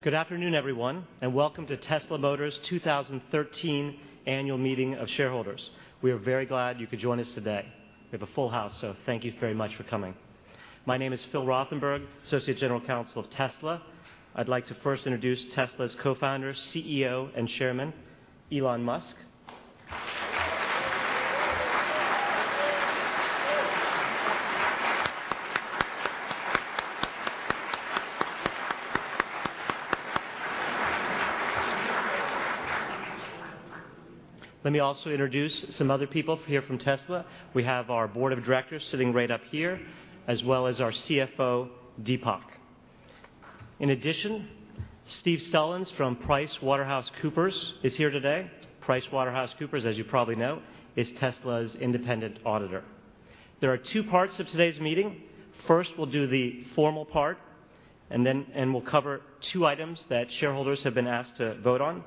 Good afternoon, everyone, and welcome to Tesla Motors' 2013 Annual Meeting of Shareholders. We are very glad you could join us today. We have a full house, thank you very much for coming. My name is Phil Rothenberg, Associate General Counsel of Tesla. I'd like to first introduce Tesla's Co-founder, CEO, and Chairman, Elon Musk. Let me also introduce some other people here from Tesla. We have our Board of Directors sitting right up here, as well as our CFO, Deepak. In addition, Steve Stellini from PricewaterhouseCoopers is here today. PricewaterhouseCoopers, as you probably know, is Tesla's independent auditor. There are two parts of today's meeting. First, we'll do the formal part, and we'll cover two items that shareholders have been asked to vote on.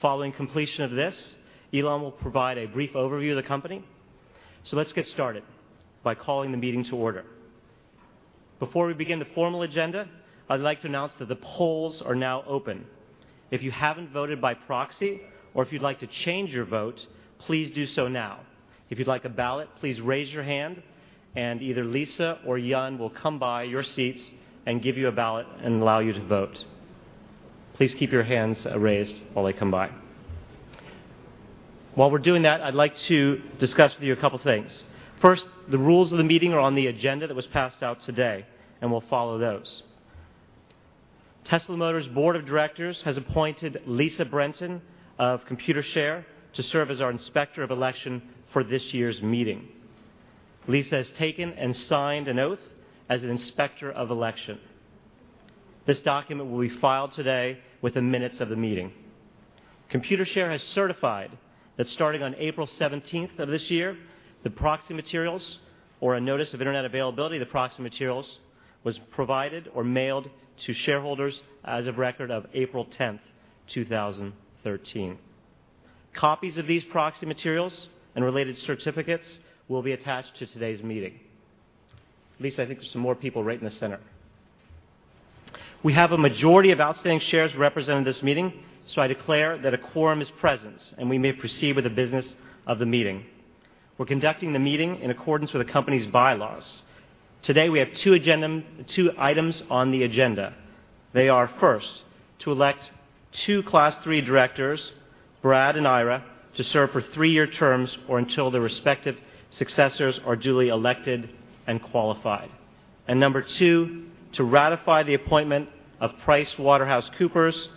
Following completion of this, Elon will provide a brief overview of the company. Let's get started by calling the meeting to order. Before we begin the formal agenda, I'd like to announce that the polls are now open. If you haven't voted by proxy or if you'd like to change your vote, please do so now. If you'd like a ballot, please raise your hand, and either Lisa or Jan will come by your seats and give you a ballot and allow you to vote. Please keep your hands raised while they come by. While we're doing that, I'd like to discuss with you a couple of things. First, the rules of the meeting are on the agenda that was passed out today, and we'll follow those. Tesla Motors' Board of Directors has appointed Lisa Brenton of Computershare to serve as our Inspector of Election for this year's meeting. Lisa has taken and signed an oath as an Inspector of Election. This document will be filed today with the minutes of the meeting. Computershare has certified that starting on April 17th of this year, the proxy materials or a notice of internet availability of the proxy materials was provided or mailed to shareholders as of record of April 10th, 2013. Copies of these proxy materials and related certificates will be attached to today's meeting. Lisa, I think there are some more people right in the center. We have a majority of outstanding shares represented in this meeting, I declare that a quorum is present, and we may proceed with the business of the meeting. We're conducting the meeting in accordance with the company's bylaws. Today, we have two items on the agenda. They are, first, to elect two Class III directors, Brad and Ira, to serve for three-year terms or until their respective successors are duly elected and qualified. Number 2, to ratify the appointment of PricewaterhouseCoopers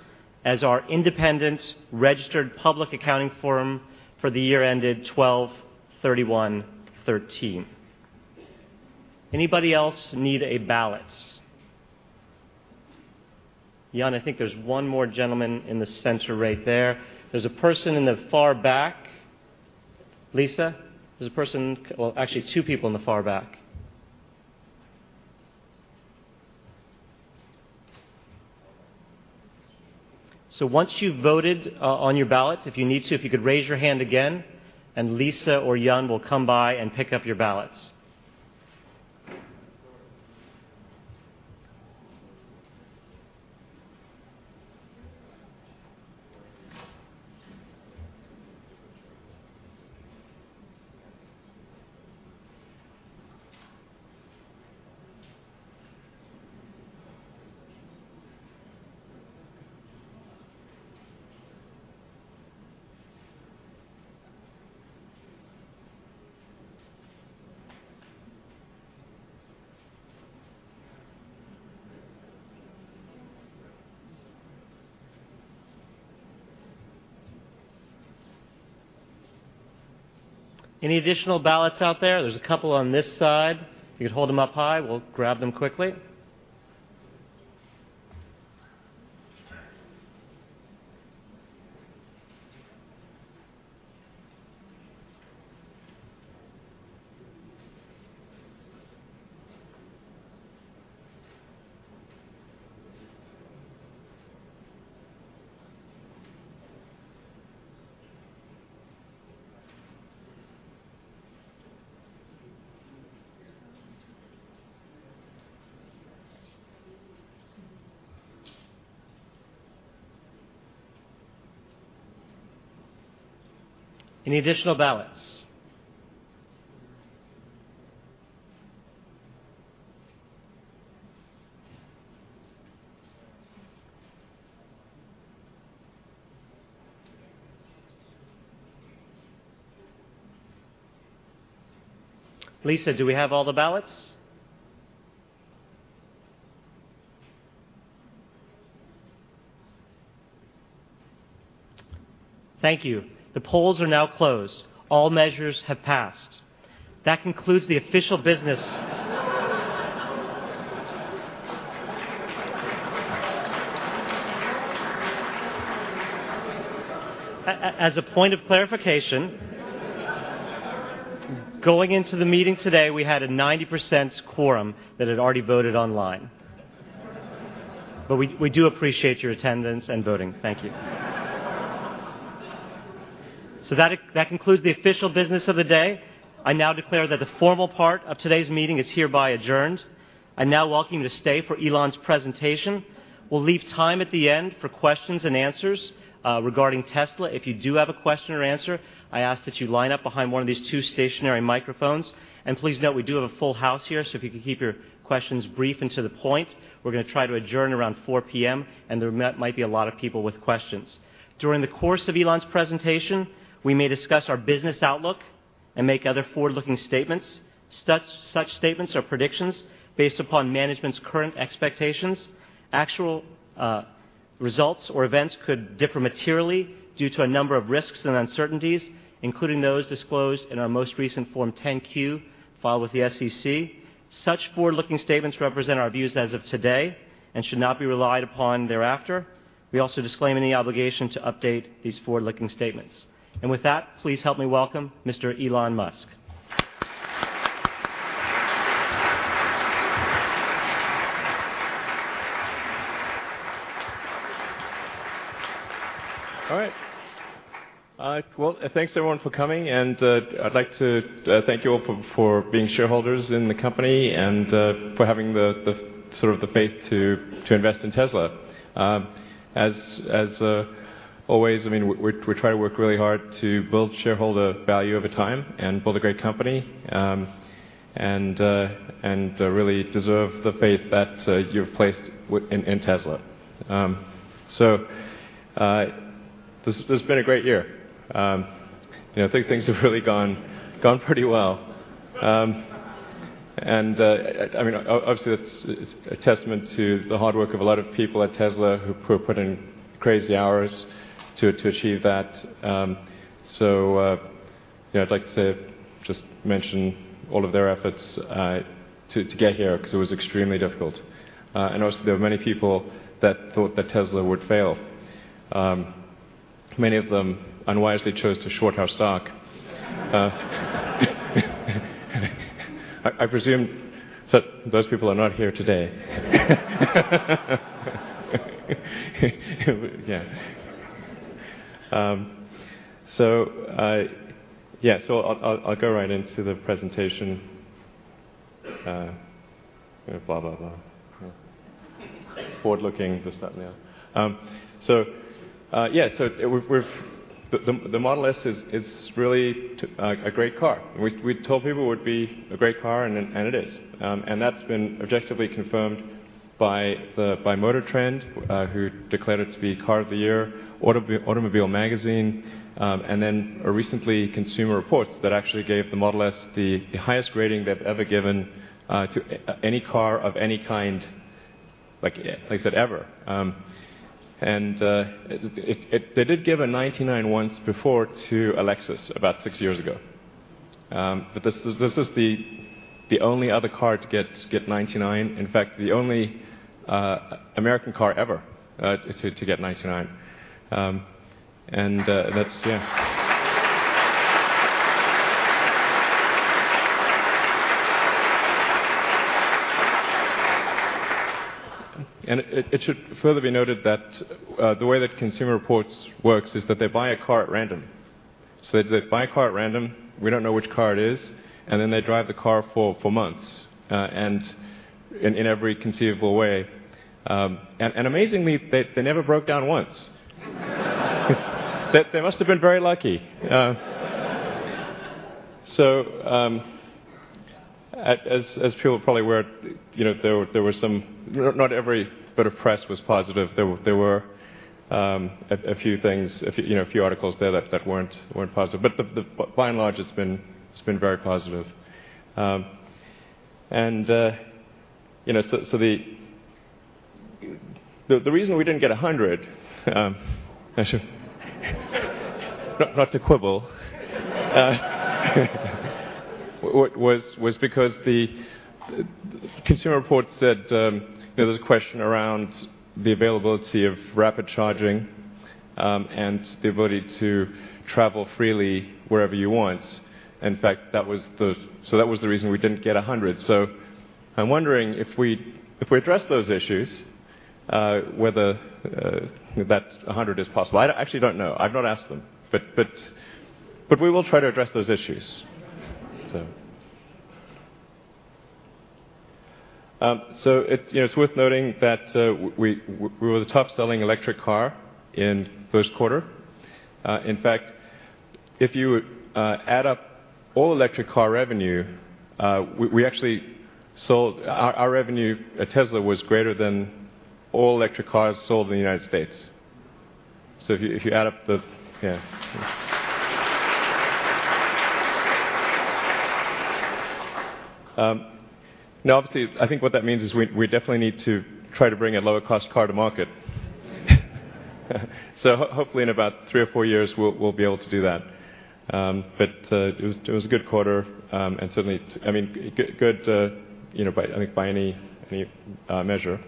as our independent registered public accounting firm for the year ended 12/31/2013. Anybody else need a ballot? Jan, I think there's one more gentleman in the center right there. There's a person in the far back. Lisa, there's a person, well, actually two people in the far back. Once you've voted on your ballot, if you need to, if you could raise your hand again, and Lisa or Jan will come by and pick up your ballots. Any additional ballots out there? There's a couple on this side. If you could hold them up high, we'll grab them quickly. Any additional ballots? Lisa, do we have all the ballots? Thank you. The polls are now closed. All measures have passed. That concludes the official business. As a point of clarification going into the meeting today, we had a 90% quorum that had already voted online. We do appreciate your attendance and voting. Thank you. That concludes the official business of the day. I now declare that the formal part of today's meeting is hereby adjourned. I now welcome you to stay for Elon's presentation. We'll leave time at the end for questions and answers regarding Tesla. If you do have a question or answer, I ask that you line up behind one of these two stationary microphones. Please note, we do have a full house here, so if you could keep your questions brief and to the point. We're going to try to adjourn around 4:00 P.M., and there might be a lot of people with questions. During the course of Elon's presentation, we may discuss our business outlook and make other forward-looking statements. Such statements are predictions based upon management's current expectations. Actual results or events could differ materially due to a number of risks and uncertainties, including those disclosed in our most recent Form 10-Q filed with the SEC. Such forward-looking statements represent our views as of today and should not be relied upon thereafter. We also disclaim any obligation to update these forward-looking statements. With that, please help me welcome Mr. Elon Musk. All right. Well, thanks, everyone, for coming. I'd like to thank you all for being shareholders in the company and for having the faith to invest in Tesla. As always, we try to work really hard to build shareholder value over time and build a great company, and really deserve the faith that you've placed in Tesla. This has been a great year. Things have really gone pretty well. Obviously, it's a testament to the hard work of a lot of people at Tesla who put in crazy hours to achieve that. I'd like to say, just mention all of their efforts to get here, because it was extremely difficult. Also, there were many people that thought that Tesla would fail. Many of them unwisely chose to short our stock. I presume those people are not here today. Yeah. I'll go right into the presentation. Blah, blah. Forward-looking this, that, and the other. The Model S is really a great car. We told people it would be a great car, and it is. That's been objectively confirmed by MotorTrend, who declared it to be Car of the Year, Automobile Magazine, and then recently, Consumer Reports, that actually gave the Model S the highest rating they've ever given to any car of any kind, like I said, ever. They did give a 99 once before to a Lexus about six years ago. This is the only other car to get 99. In fact, the only American car ever to get 99. That's Yeah. It should further be noted that the way that Consumer Reports works is that they buy a car at random. They buy a car at random, we don't know which car it is, and then they drive the car for months, and in every conceivable way. Amazingly, they never broke down once. They must have been very lucky. As people probably are aware, not every bit of press was positive. There were a few things, a few articles there that weren't positive. By and large, it's been very positive. The reason we didn't get 100, not to quibble, was because Consumer Reports said there was a question around the availability of rapid charging and the ability to travel freely wherever you want. In fact, that was the reason we didn't get 100. I'm wondering, if we address those issues, whether that 100 is possible. I actually don't know. I've not asked them. We will try to address those issues. It's worth noting that we were the top-selling electric car in the first quarter. In fact, if you add up all electric car revenue, our revenue at Tesla was greater than all electric cars sold in the United States. If you add up the Yeah. Obviously, I think what that means is we definitely need to try to bring a lower-cost car to market. Hopefully, in about three or four years, we'll be able to do that. It was a good quarter, and certainly, good by any measure.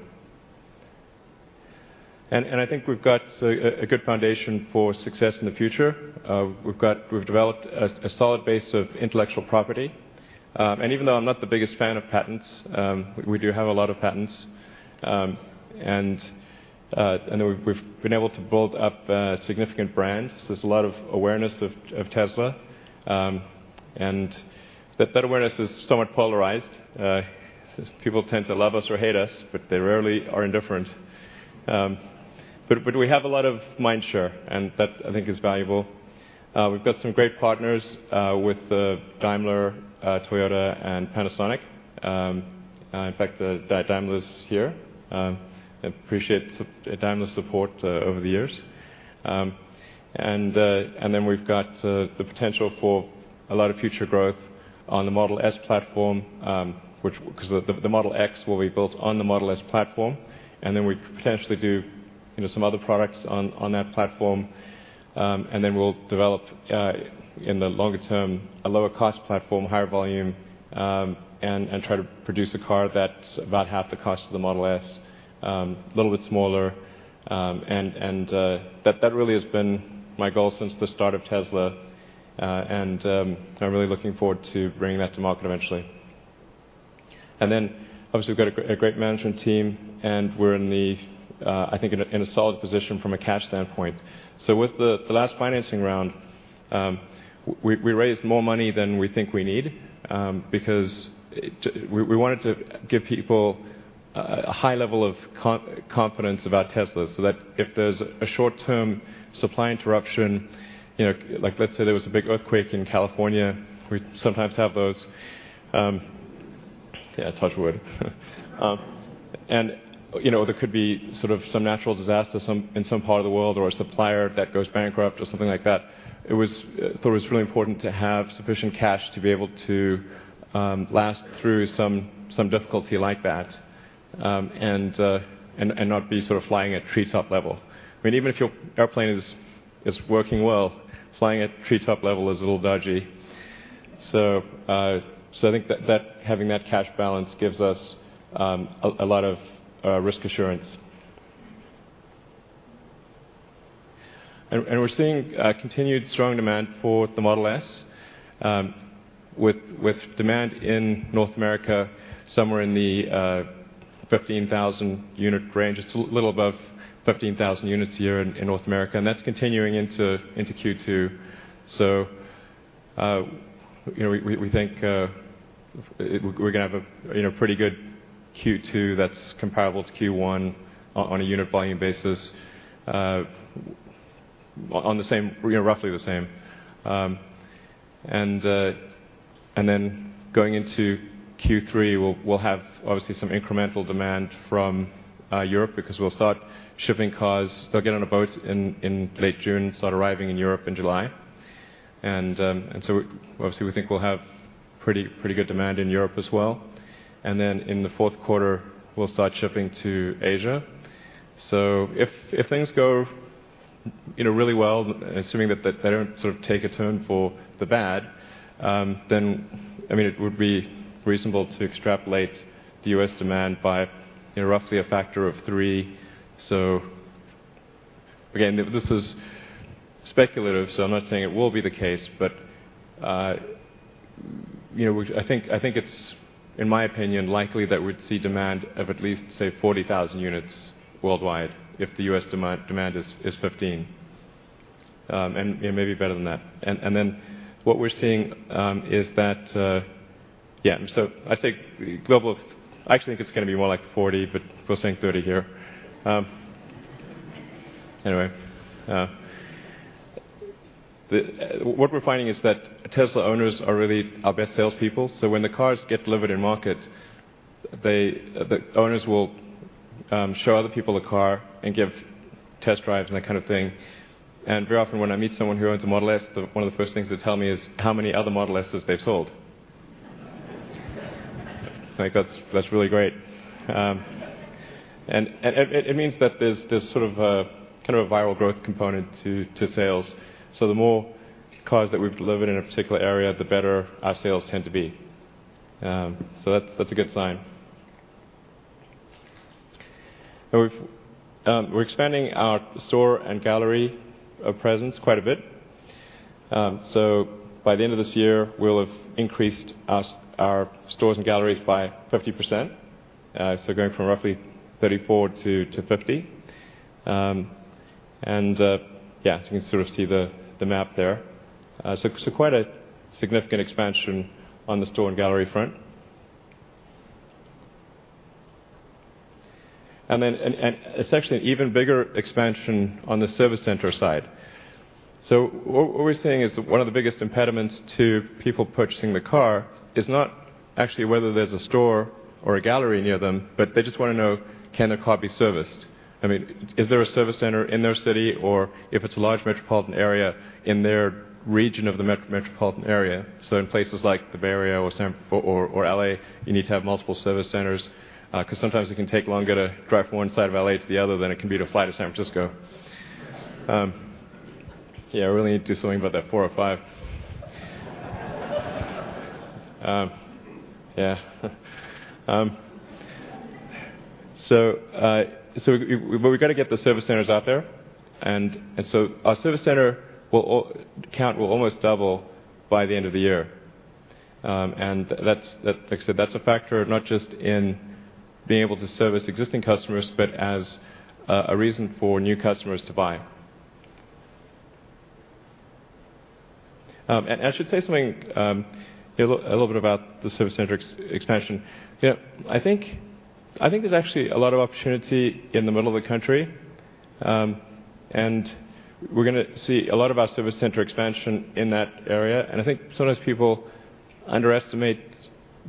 I think we've got a good foundation for success in the future. We've developed a solid base of intellectual property. Even though I'm not the biggest fan of patents, we do have a lot of patents. We've been able to build up a significant brand, so there's a lot of awareness of Tesla. That awareness is somewhat polarized. People tend to love us or hate us, but they rarely are indifferent. We have a lot of mind share, and that, I think, is valuable. We've got some great partners with Daimler, Toyota, and Panasonic. In fact, Daimler's here. I appreciate Daimler's support over the years. We've got the potential for a lot of future growth on the Model S platform because the Model X will be built on the Model S platform. We could potentially do some other products on that platform. We'll develop, in the longer term, a lower cost platform, higher volume, and try to produce a car that's about half the cost of the Model S. A little bit smaller. That really has been my goal since the start of Tesla. I'm really looking forward to bringing that to market eventually. Obviously, we've got a great management team, and we're in, I think, a solid position from a cash standpoint. With the last financing round, we raised more money than we think we need because we wanted to give people a high level of confidence about Tesla, so that if there's a short-term supply interruption, like let's say there was a big earthquake in California, we sometimes have those. Yeah, touch wood. There could be sort of some natural disaster in some part of the world, or a supplier that goes bankrupt, or something like that. I thought it was really important to have sufficient cash to be able to last through some difficulty like that and not be sort of flying at treetop level. Even if your airplane is working well, flying at treetop level is a little dodgy. I think having that cash balance gives us a lot of risk assurance. We're seeing continued strong demand for the Model S, with demand in North America somewhere in the 15,000 unit range. It's a little above 15,000 units a year in North America, and that's continuing into Q2. We think we're going to have a pretty good Q2 that's comparable to Q1 on a unit volume basis. Roughly the same. Going into Q3, we'll have obviously some incremental demand from Europe because we'll start shipping cars. They'll get on a boat in late June, start arriving in Europe in July. Obviously, we think we'll have pretty good demand in Europe as well. In the fourth quarter, we'll start shipping to Asia. If things go really well, assuming that they don't take a turn for the bad, then it would be reasonable to extrapolate the U.S. demand by roughly a factor of three. Again, this is speculative, so I'm not saying it will be the case, but I think it's, in my opinion, likely that we'd see demand of at least, say, 40,000 units worldwide if the U.S. demand is 15, and maybe better than that. What we're seeing is that I actually think it's going to be more like 40, but we're saying 30 here. Anyway. What we're finding is that Tesla owners are really our best salespeople. When the cars get delivered in market, the owners will show other people the car and give test drives and that kind of thing. Very often, when I meet someone who owns a Model S, one of the first things they tell me is how many other Model S's they've sold. I think that's really great. It means that there's sort of a viral growth component to sales. The more cars that we've delivered in a particular area, the better our sales tend to be. That's a good sign. We're expanding our store and gallery presence quite a bit. By the end of this year, we'll have increased our stores and galleries by 50%. Going from roughly 34 to 50. You can sort of see the map there. Quite a significant expansion on the store and gallery front. It's actually an even bigger expansion on the service center side. What we're seeing is one of the biggest impediments to people purchasing the car is not actually whether there's a store or a gallery near them, but they just want to know, can their car be serviced? Is there a service center in their city or, if it's a large metropolitan area, in their region of the metropolitan area? In places like the Bay Area or L.A., you need to have multiple service centers because sometimes it can take longer to drive from one side of L.A. to the other than it can be to fly to San Francisco. We really need to do something about that 405. We've got to get the service centers out there. Our service center count will almost double by the end of the year. Like I said, that's a factor not just in being able to service existing customers, but as a reason for new customers to buy. I should say something a little bit about the service center expansion. I think there's actually a lot of opportunity in the middle of the country, and we're going to see a lot of our service center expansion in that area. I think sometimes people underestimate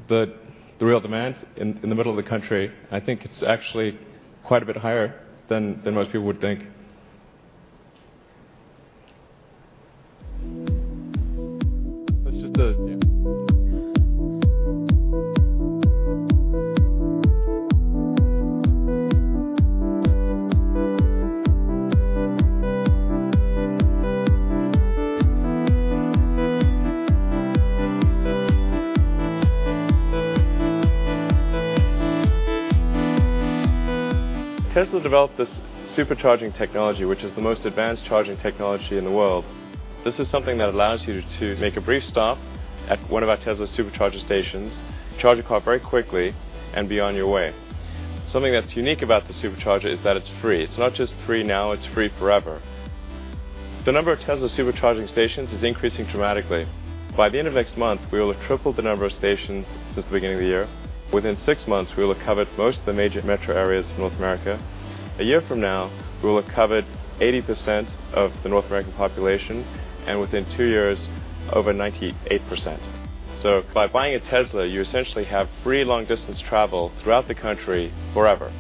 the real demand in the middle of the country. I think it's actually quite a bit higher than most people would think. Yeah. Tesla developed this Supercharging technology, which is the most advanced charging technology in the world. This is something that allows you to make a brief stop at one of our Tesla Supercharger stations, charge your car up very quickly, and be on your way. Something that's unique about the Supercharger is that it's free. It's not just free now, it's free forever. The number of Tesla Supercharging stations is increasing dramatically. By the end of next month, we will have tripled the number of stations since the beginning of the year. Within 6 months, we will have covered most of the major metro areas in North America. A year from now, we will have covered 80% of the North American population, and within 2 years, over 98%. By buying a Tesla, you essentially have free long-distance travel throughout the country forever.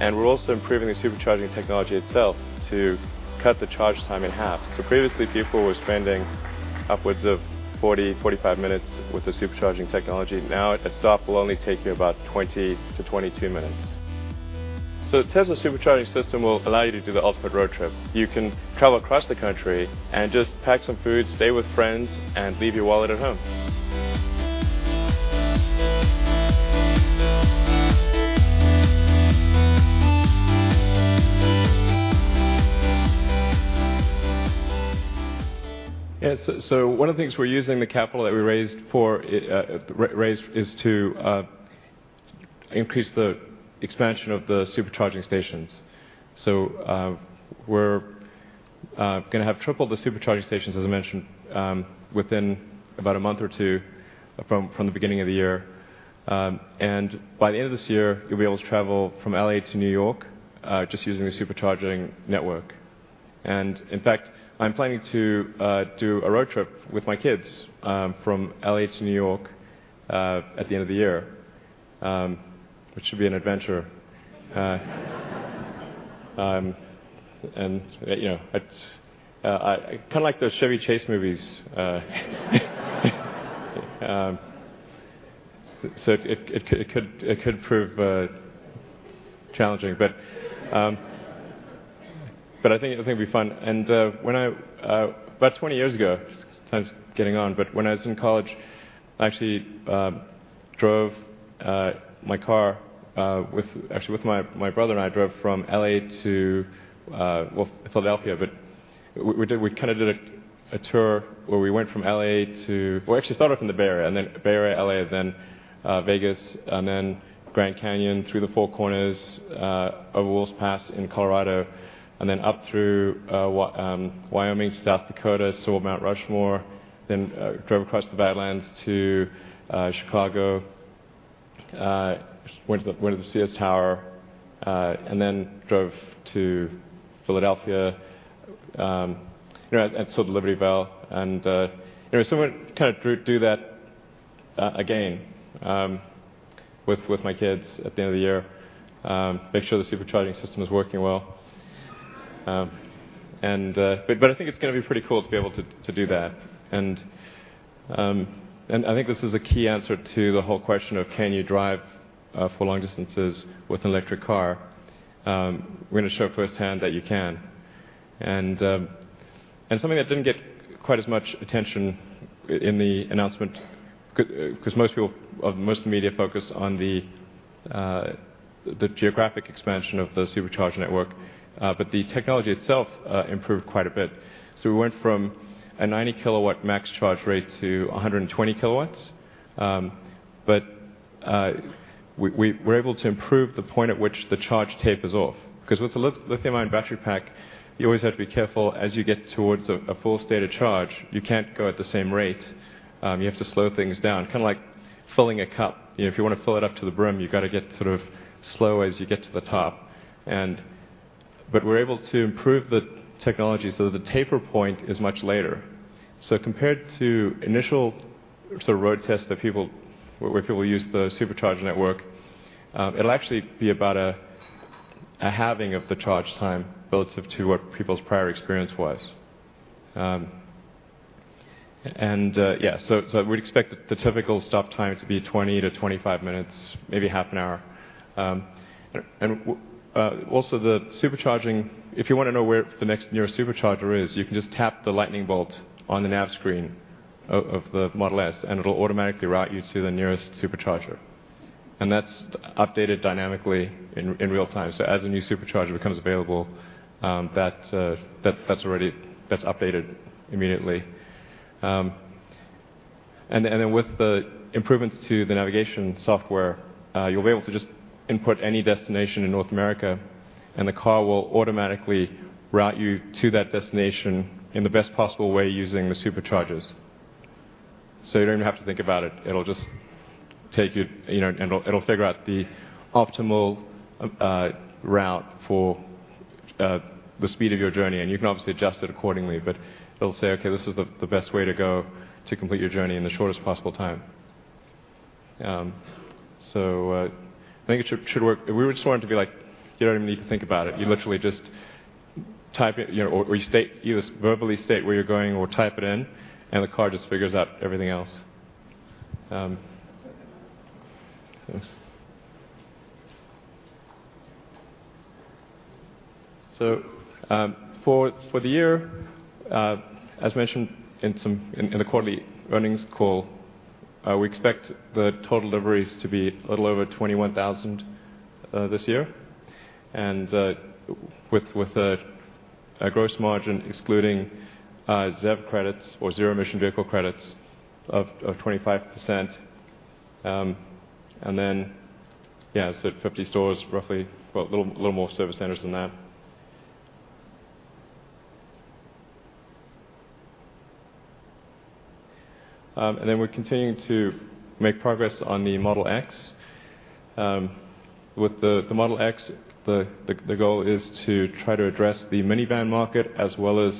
We're also improving the Supercharging technology itself to cut the charge time in half. Previously, people were spending upwards of 40, 45 minutes with the Supercharging technology. Now a stop will only take you about 20 to 22 minutes. Tesla Supercharging system will allow you to do the ultimate road trip. You can travel across the country and just pack some food, stay with friends, and leave your wallet at home. Yeah. One of the things we're using the capital that we raised for is to increase the expansion of the Supercharging stations. We're going to have triple the Supercharging stations, as I mentioned, within about a month or two from the beginning of the year. By the end of this year, you'll be able to travel from L.A. to New York, just using the Supercharging network. In fact, I'm planning to do a road trip with my kids from L.A. to New York at the end of the year, which should be an adventure. It's kind of like those Chevy Chase movies. It could prove challenging. I think it'll be fun, and about 20 years ago, time's getting on, when I was in college, I actually drove my car with my brother, I drove from L.A. to Philadelphia. We kind of did a tour where we went from L.A. to. Well, actually started from the Bay Area, then Bay Area, L.A., then Vegas, then Grand Canyon, through the Four Corners, over Wolf Pass in Colorado, and then up through Wyoming, South Dakota, saw Mount Rushmore. Drove across the Badlands to Chicago. Went to the Sears Tower, and then drove to Philadelphia and saw the Liberty Bell. We're going to do that again with my kids at the end of the year. Make sure the Supercharging system is working well. I think it's going to be pretty cool to be able to do that. I think this is a key answer to the whole question of can you drive for long distances with an electric car? We're going to show firsthand that you can. Something that didn't get quite as much attention in the announcement, because most of the media focused on the geographic expansion of the Supercharger network. The technology itself improved quite a bit. We went from a 90-kilowatt max charge rate to 120 kilowatts. We're able to improve the point at which the charge tapers off. Because with the lithium-ion battery pack, you always have to be careful as you get towards a full state of charge. You can't go at the same rate. You have to slow things down. Kind of like filling a cup. If you want to fill it up to the brim, you've got to get sort of slow as you get to the top. We're able to improve the technology so the taper point is much later. Compared to initial road tests where people use the Supercharger network, it'll actually be about a halving of the charge time relative to what people's prior experience was. Yeah. We'd expect the typical stop time to be 20 to 25 minutes, maybe half an hour. Also the Supercharging, if you want to know where the next nearest Supercharger is, you can just tap the lightning bolt on the nav screen of the Model S, it'll automatically route you to the nearest Supercharger. That's updated dynamically in real-time, so as a new Supercharger becomes available, that's updated immediately. With the improvements to the navigation software, you'll be able to just input any destination in North America, and the car will automatically route you to that destination in the best possible way using the Superchargers. You don't even have to think about it. It'll figure out the optimal route for the speed of your journey, and you can obviously adjust it accordingly. It'll say, "Okay, this is the best way to go to complete your journey in the shortest possible time." I think it should work. We just want it to be like you don't even need to think about it. You literally just type it, or you verbally state where you're going or type it in, and the car just figures out everything else. For the year, as mentioned in the quarterly earnings call, we expect the total deliveries to be a little over 21,000 this year, and with a gross margin excluding ZEV credits or Zero Emission Vehicle credits of 25%. Yeah, I said 50 stores, roughly, well, a little more service centers than that. We're continuing to make progress on the Model X. With the Model X, the goal is to try to address the minivan market as well as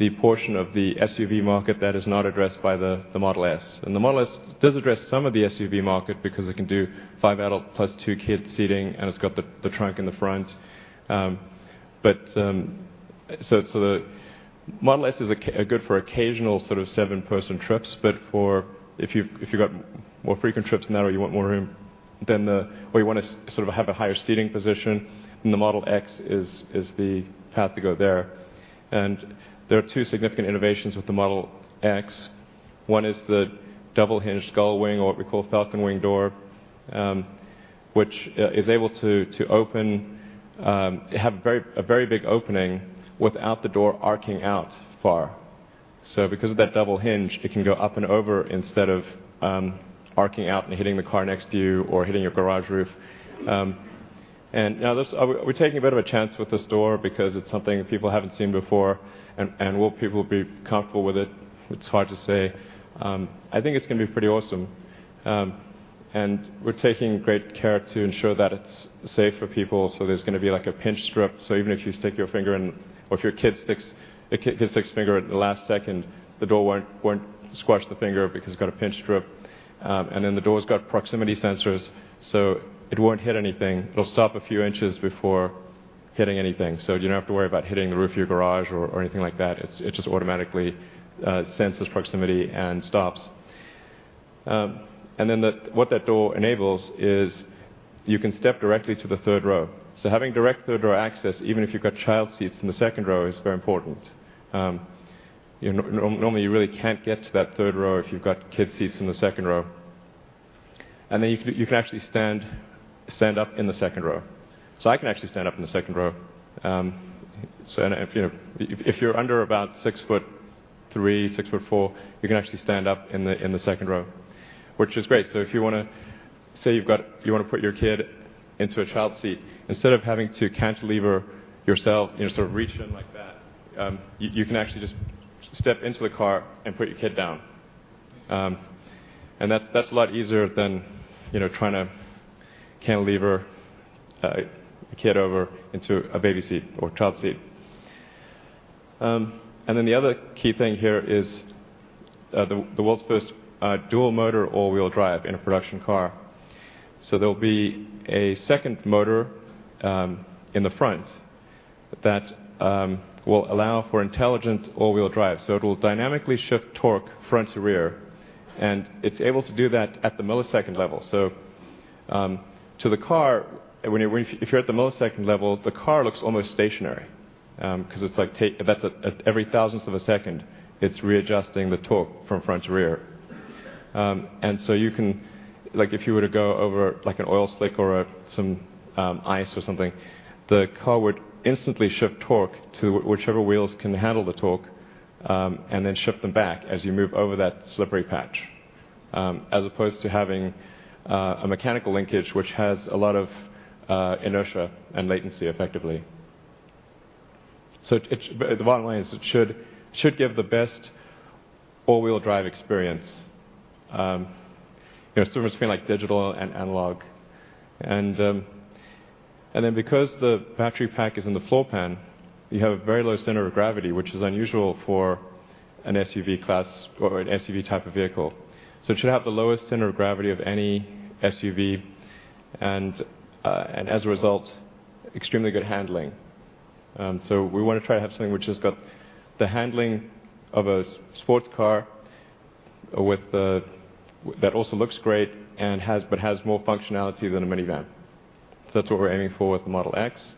the portion of the SUV market that is not addressed by the Model S. The Model S does address some of the SUV market because it can do five adult plus two kids seating, and it's got the trunk in the front. The Model S is good for occasional seven-person trips, if you've got more frequent trips than that or you want more room, or you want to have a higher seating position, the Model X is the path to go there. There are two significant innovations with the Model X. One is the double-hinge gull-wing, or what we call Falcon Wing door, which is able to have a very big opening without the door arcing out far. Because of that double hinge, it can go up and over instead of arcing out and hitting the car next to you or hitting your garage roof. We're taking a bit of a chance with this door because it's something that people haven't seen before, and will people be comfortable with it? It's hard to say. I think it's going to be pretty awesome. We're taking great care to ensure that it's safe for people, there's going to be a pinch strip. Even if you stick your finger in, or if your kid sticks his finger in at the last second, the door won't squash the finger because it's got a pinch strip. The door's got proximity sensors, it won't hit anything. It'll stop a few inches before hitting anything. You don't have to worry about hitting the roof of your garage or anything like that. It just automatically senses proximity and stops. What that door enables is you can step directly to the third row. Having direct third-row access, even if you've got child seats in the second row, is very important. Normally, you really can't get to that third row if you've got kid seats in the second row. You can actually stand up in the second row. I can actually stand up in the second row. If you're under about six foot three, six foot four, you can actually stand up in the second row, which is great. Say you want to put your kid into a child seat. Instead of having to cantilever yourself, sort of reach in like that, you can actually just step into the car and put your kid down. That's a lot easier than trying to cantilever a kid over into a baby seat or child seat. The other key thing here is the world's first dual motor all-wheel drive in a production car. There'll be a second motor in the front that will allow for intelligent all-wheel drive. It'll dynamically shift torque front to rear, it's able to do that at the millisecond level. To the car, if you're at the millisecond level, the car looks almost stationary, because at every thousandth of a second, it's readjusting the torque from front to rear. If you were to go over an oil slick or some ice or something, the car would instantly shift torque to whichever wheels can handle the torque, and then shift them back as you move over that slippery patch, as opposed to having a mechanical linkage, which has a lot of inertia and latency, effectively. The bottom line is it should give the best all-wheel drive experience. Sort of this feeling like digital and analog. Because the battery pack is in the floor pan, you have a very low center of gravity, which is unusual for an SUV-type of vehicle. It should have the lowest center of gravity of any SUV, and as a result, extremely good handling. We want to try to have something which has got the handling of a sports car that also looks great but has more functionality than a minivan. That's what we're aiming for with the Model X.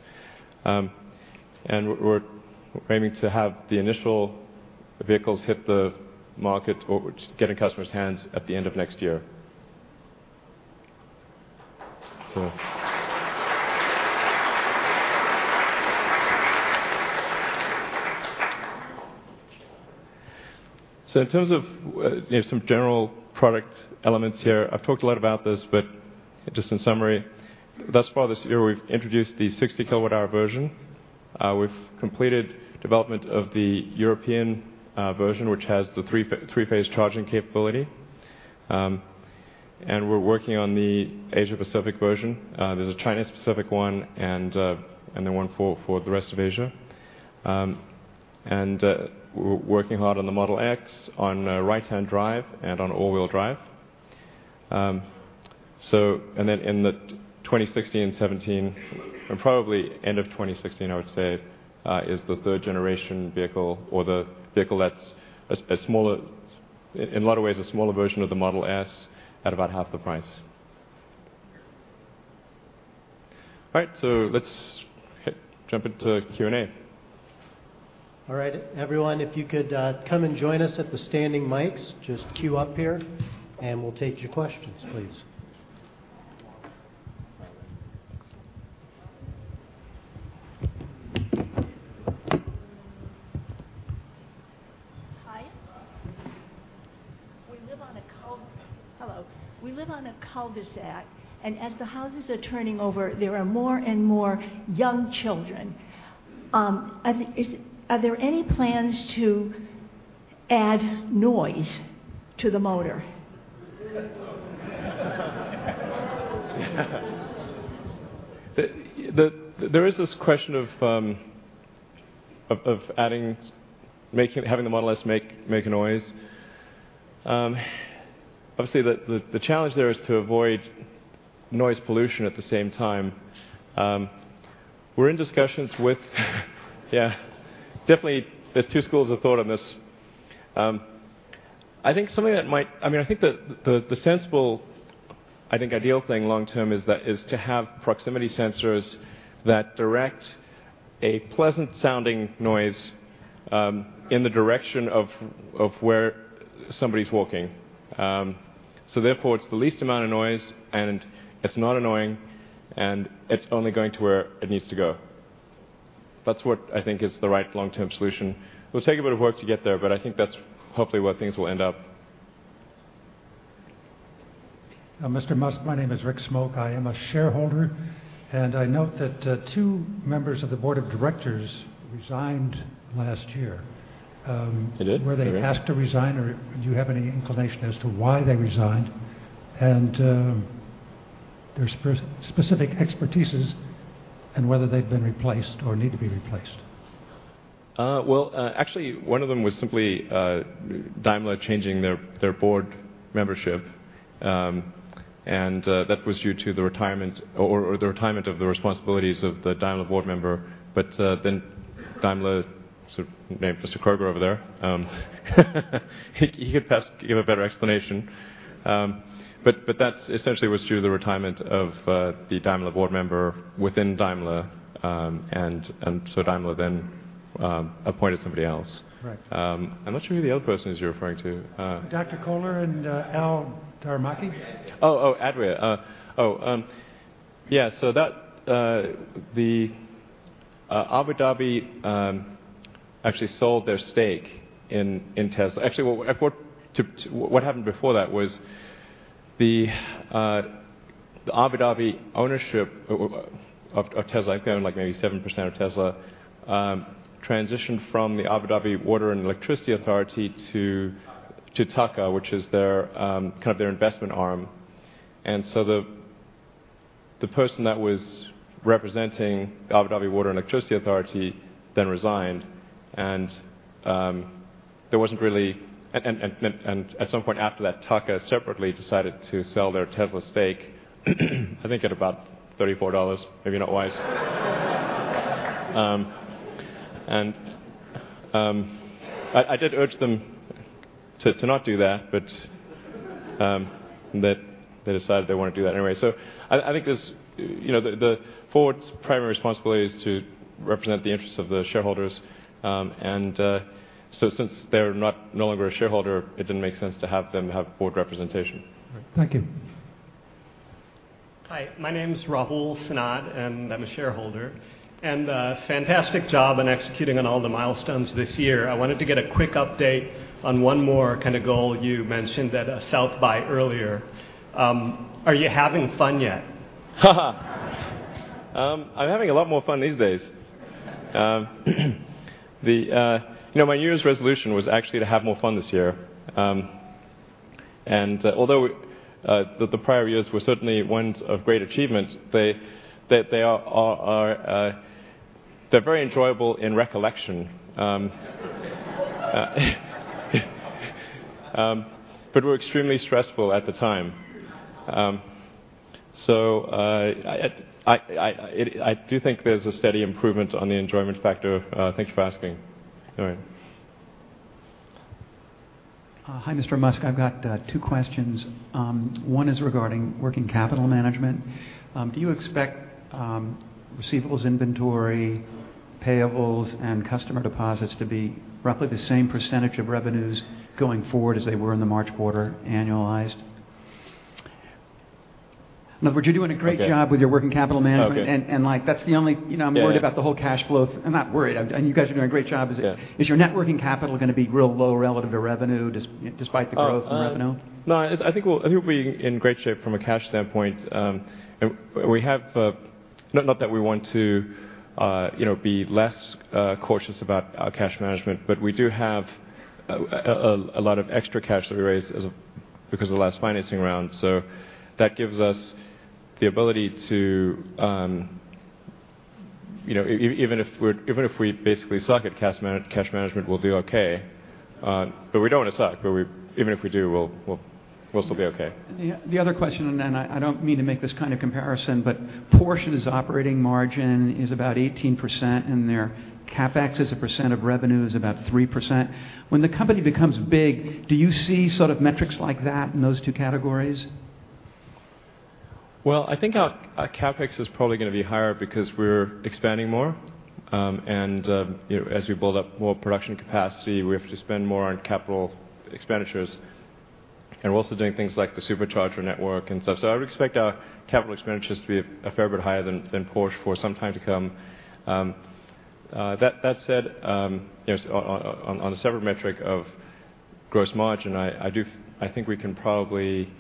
We're aiming to have the initial vehicles hit the market, or get in customers' hands, at the end of next year. In terms of some general product elements here, I've talked a lot about this, but just in summary, thus far this year, we've introduced the 60 kilowatt-hour version. We've completed development of the European version, which has the three-phase charging capability. We're working on the Asia-Pacific version. There's a China-specific one and one for the rest of Asia. We're working hard on the Model X, on right-hand drive, and on all-wheel drive. In the 2016 and 2017, and probably end of 2016, I would say, is the third-generation vehicle or the vehicle that's, in a lot of ways, a smaller version of the Model S at about half the price. All right, let's jump into Q&A. All right, everyone, if you could come and join us at the standing mics. Just queue up here and we'll take your questions, please. Hi. Hello. We live on a cul-de-sac and as the houses are turning over, there are more and more young children. Are there any plans to add noise to the motor? There is this question of having the Model S make a noise. Obviously, the challenge there is to avoid noise pollution at the same time. We're in discussions with Yeah. Definitely, there's two schools of thought on this. I think the sensible, I think, ideal thing long term is to have proximity sensors that direct a pleasant-sounding noise in the direction of where somebody's walking. Therefore, it's the least amount of noise, and it's not annoying, and it's only going to where it needs to go. That's what I think is the right long-term solution. It'll take a bit of work to get there, but I think that's hopefully where things will end up. Mr. Musk, my name is Rick Smoke. I am a shareholder, and I note that two members of the board of directors resigned last year. They did? Were they asked to resign, or do you have any inclination as to why they resigned, and their specific expertises, and whether they've been replaced or need to be replaced? Well, actually, one of them was simply Daimler changing their board membership. That was due to the retirement of the responsibilities of the Daimler board member. Daimler, maybe Mr. Kohler over there, he could give a better explanation. That essentially was due to the retirement of the Daimler board member within Daimler. Daimler then appointed somebody else. Right. I'm not sure who the other person is you're referring to. Dr. Kohler and Al Darmaki. Oh, Al Darmaki. Oh. Yeah, Abu Dhabi actually sold their stake in Tesla. Actually, what happened before that was the Abu Dhabi ownership of Tesla, I think they own maybe 7% of Tesla, transitioned from the Abu Dhabi Water and Electricity Authority to TAQA, which is kind of their investment arm. The person that was representing the Abu Dhabi Water and Electricity Authority then resigned. At some point after that, TAQA separately decided to sell their Tesla stake, I think at about $34. Maybe not wise. I did urge them to not do that, they decided they wanted to do that anyway. I think the board's primary responsibility is to represent the interests of the shareholders. Since they're no longer a shareholder, it didn't make sense to have them have board representation. All right. Thank you. Hi, my name's Rahul Sinat, and I'm a shareholder. Fantastic job on executing on all the milestones this year. I wanted to get a quick update on one more goal you mentioned at South By earlier. Are you having fun yet? I'm having a lot more fun these days. My New Year's resolution was actually to have more fun this year. Although the prior years were certainly ones of great achievement, they're very enjoyable in recollection. But were extremely stressful at the time. I do think there's a steady improvement on the enjoyment factor. Thanks for asking. All right. Hi, Mr. Musk. I've got two questions. One is regarding working capital management. Do you expect receivables inventory, payables, and customer deposits to be roughly the same percentage of revenues going forward as they were in the March quarter, annualized? Look, but you're doing a great job. Okay with your working capital management Okay that's the only Yeah I'm worried about the whole cash flow. I'm not worried. You guys are doing a great job. Yeah. Is your net working capital going to be real low relative to revenue, despite the growth in revenue? I think we'll be in great shape from a cash standpoint. Not that we want to be less cautious about our cash management, but we do have a lot of extra cash that we raised because of the last financing round. That gives us the ability to, even if we basically suck at cash management, we'll do okay. We don't want to suck, but even if we do, we'll still be okay. The other question, I don't mean to make this kind of comparison, Porsche's operating margin is about 18%, and their CapEx as a percent of revenue is about 3%. When the company becomes big, do you see sort of metrics like that in those two categories? Well, I think our CapEx is probably going to be higher because we're expanding more. As we build up more production capacity, we have to spend more on capital expenditures. We're also doing things like the Supercharger network and stuff. I would expect our capital expenditures to be a fair bit higher than Porsche for some time to come. That said, on the separate metric of gross margin, I think we can probably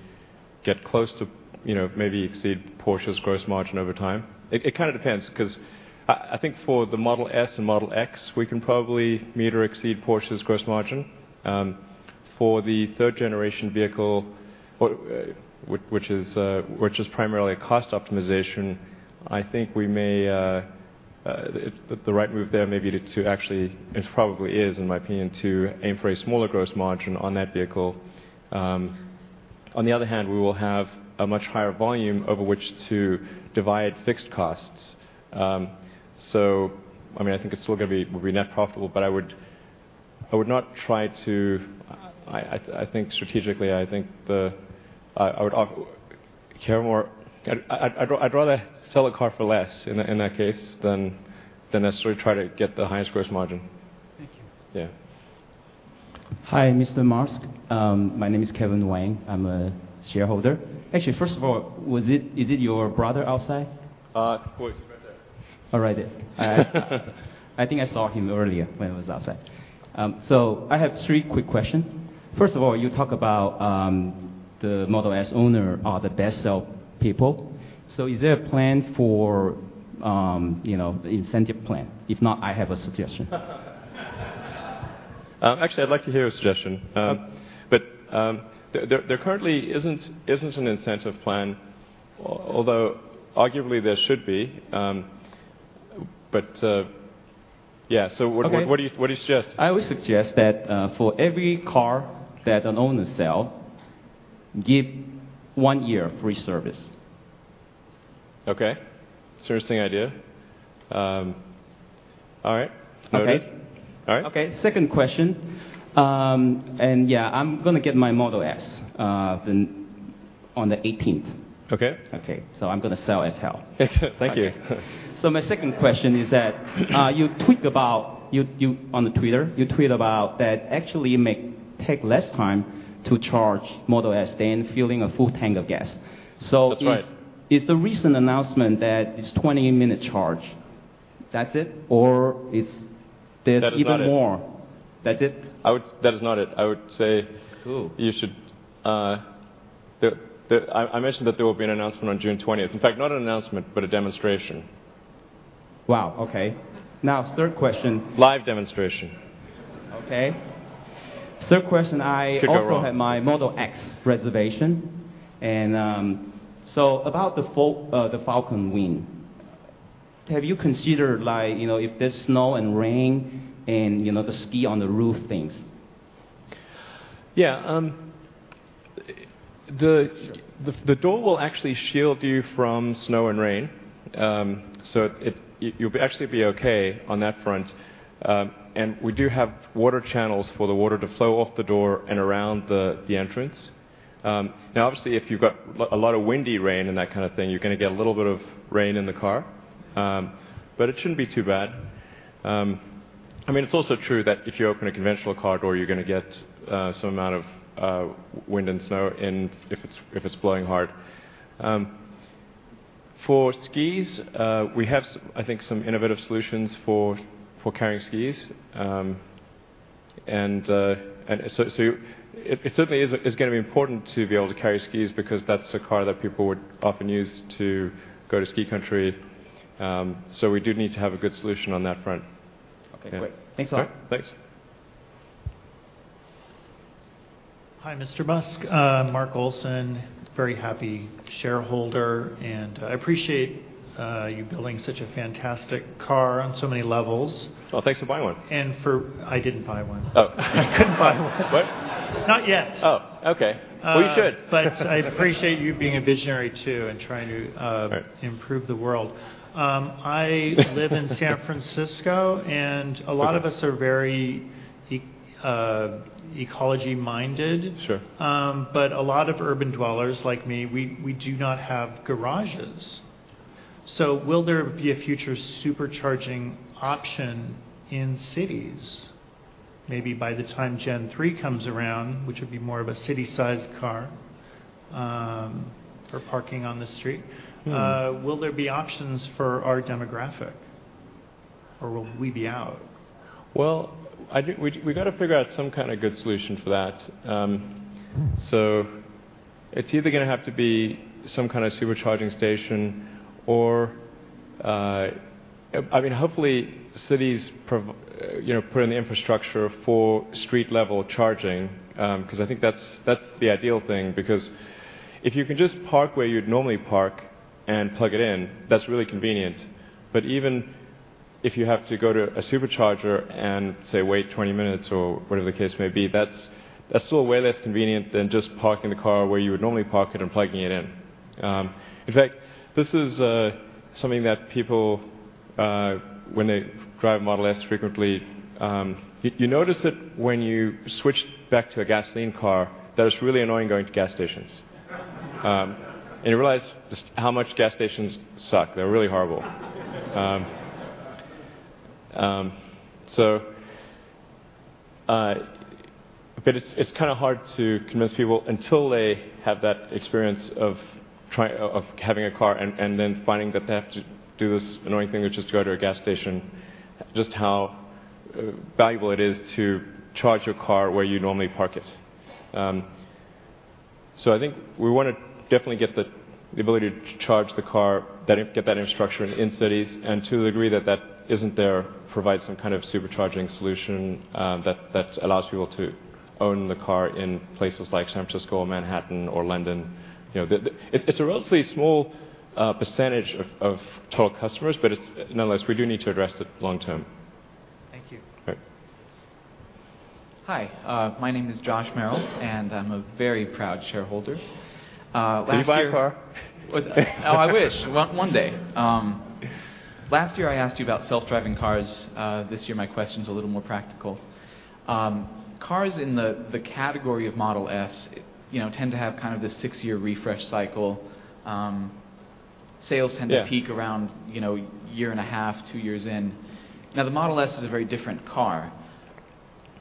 get close to maybe exceed Porsche's gross margin over time. It kind of depends, because I think for the Model S and Model X, we can probably meet or exceed Porsche's gross margin. For the third-generation vehicle, which is primarily a cost optimization, I think the right move there may be to actually, it probably is, in my opinion, to aim for a smaller gross margin on that vehicle. On the other hand, we will have a much higher volume over which to divide fixed costs. I think it's still going to be net profitable, but I would not try to strategically, I'd rather sell a car for less in that case than necessarily try to get the highest gross margin. Thank you. Yeah. Hi, Mr. Musk. My name is Kevin Wang. I'm a shareholder. Actually, first of all, is it your brother outside? Of course. Right there. Oh, right there. I think I saw him earlier when I was outside. I have three quick questions. First of all, you talk about the Model S owner are the best salespeople. Is there a plan for incentive plan? If not, I have a suggestion. Actually, I'd like to hear a suggestion. Okay. There currently isn't an incentive plan, although arguably there should be. Yeah, what do you suggest? I would suggest that for every car that an owner sell, give one year free service. Okay. It's interesting idea. All right. Noted. Okay. All right. Okay. Second question, yeah, I'm gonna get my Model S on the 18th. Okay. Okay. I'm gonna sell as hell. Thank you. My second question is that you tweet on the Twitter, you tweet about that actually it may take less time to charge Model S than filling a full tank of gas. That's right Is the recent announcement that it's 20-minute charge, that's it, or there's even more? That is not it. That's it? That is not it. I would say. Cool I mentioned that there will be an announcement on June 20th. In fact, not an announcement, but a demonstration. Wow, okay. Third question. Live demonstration. Okay. Third question. Could go wrong I have my Model X reservation. About the Falcon Wing, have you considered if there's snow and rain and the ski on the roof things? Yeah. The door will actually shield you from snow and rain. You'll actually be okay on that front. We do have water channels for the water to flow off the door and around the entrance. Obviously, if you've got a lot of windy rain and that kind of thing, you're going to get a little bit of rain in the car. It shouldn't be too bad. It's also true that if you open a conventional car door, you're going to get some amount of wind and snow in if it's blowing hard. For skis, we have, I think, some innovative solutions for carrying skis. It certainly is going to be important to be able to carry skis because that's a car that people would often use to go to ski country. We do need to have a good solution on that front. Okay, great. Thanks a lot. All right. Thanks. Hi, Mr. Musk. Mark Olsen, very happy shareholder. I appreciate you building such a fantastic car on so many levels. Well, thanks for buying one. I didn't buy one. Oh. I couldn't buy one. What? Not yet. Oh, okay. Well, you should. I appreciate you being a visionary, too. Right improve the world. I live in San Francisco, and a lot of us are very ecology-minded. Sure. A lot of urban dwellers like me, we do not have garages. Will there be a future Supercharging option in cities? Maybe by the time Gen 3 comes around, which would be more of a city-sized car, for parking on the street. Will there be options for our demographic, or will we be out? We've got to figure out some kind of good solution for that. It's either going to have to be some kind of Supercharging station or hopefully cities put in the infrastructure for street-level charging, because I think that's the ideal thing because if you can just park where you'd normally park and plug it in, that's really convenient. Even if you have to go to a Supercharger and, say, wait 20 minutes or whatever the case may be, that's still way less convenient than just parking the car where you would normally park it and plugging it in. In fact, this is something that people, when they drive a Model S frequently, you notice it when you switch back to a gasoline car, that it's really annoying going to gas stations. You realize just how much gas stations suck. They're really horrible. It's kind of hard to convince people, until they have that experience of having a car and then finding that they have to do this annoying thing, which is to go to a gas station, just how valuable it is to charge your car where you normally park it. I think we want to definitely get the ability to charge the car, get that infrastructure in cities, and to the degree that that isn't there, provide some kind of Supercharging solution that allows people to own the car in places like San Francisco or Manhattan or London. It's a relatively small percentage of total customers, but nonetheless, we do need to address it long term. Thank you. All right. Hi, my name is Josh Merrill, and I'm a very proud shareholder. Last year- Will you buy a car? Oh, I wish. One day. Last year, I asked you about self-driving cars. This year, my question's a little more practical. Cars in the category of Model S tend to have this six-year refresh cycle. Sales tend Yeah to peak around year and a half, two years in. The Model S is a very different car.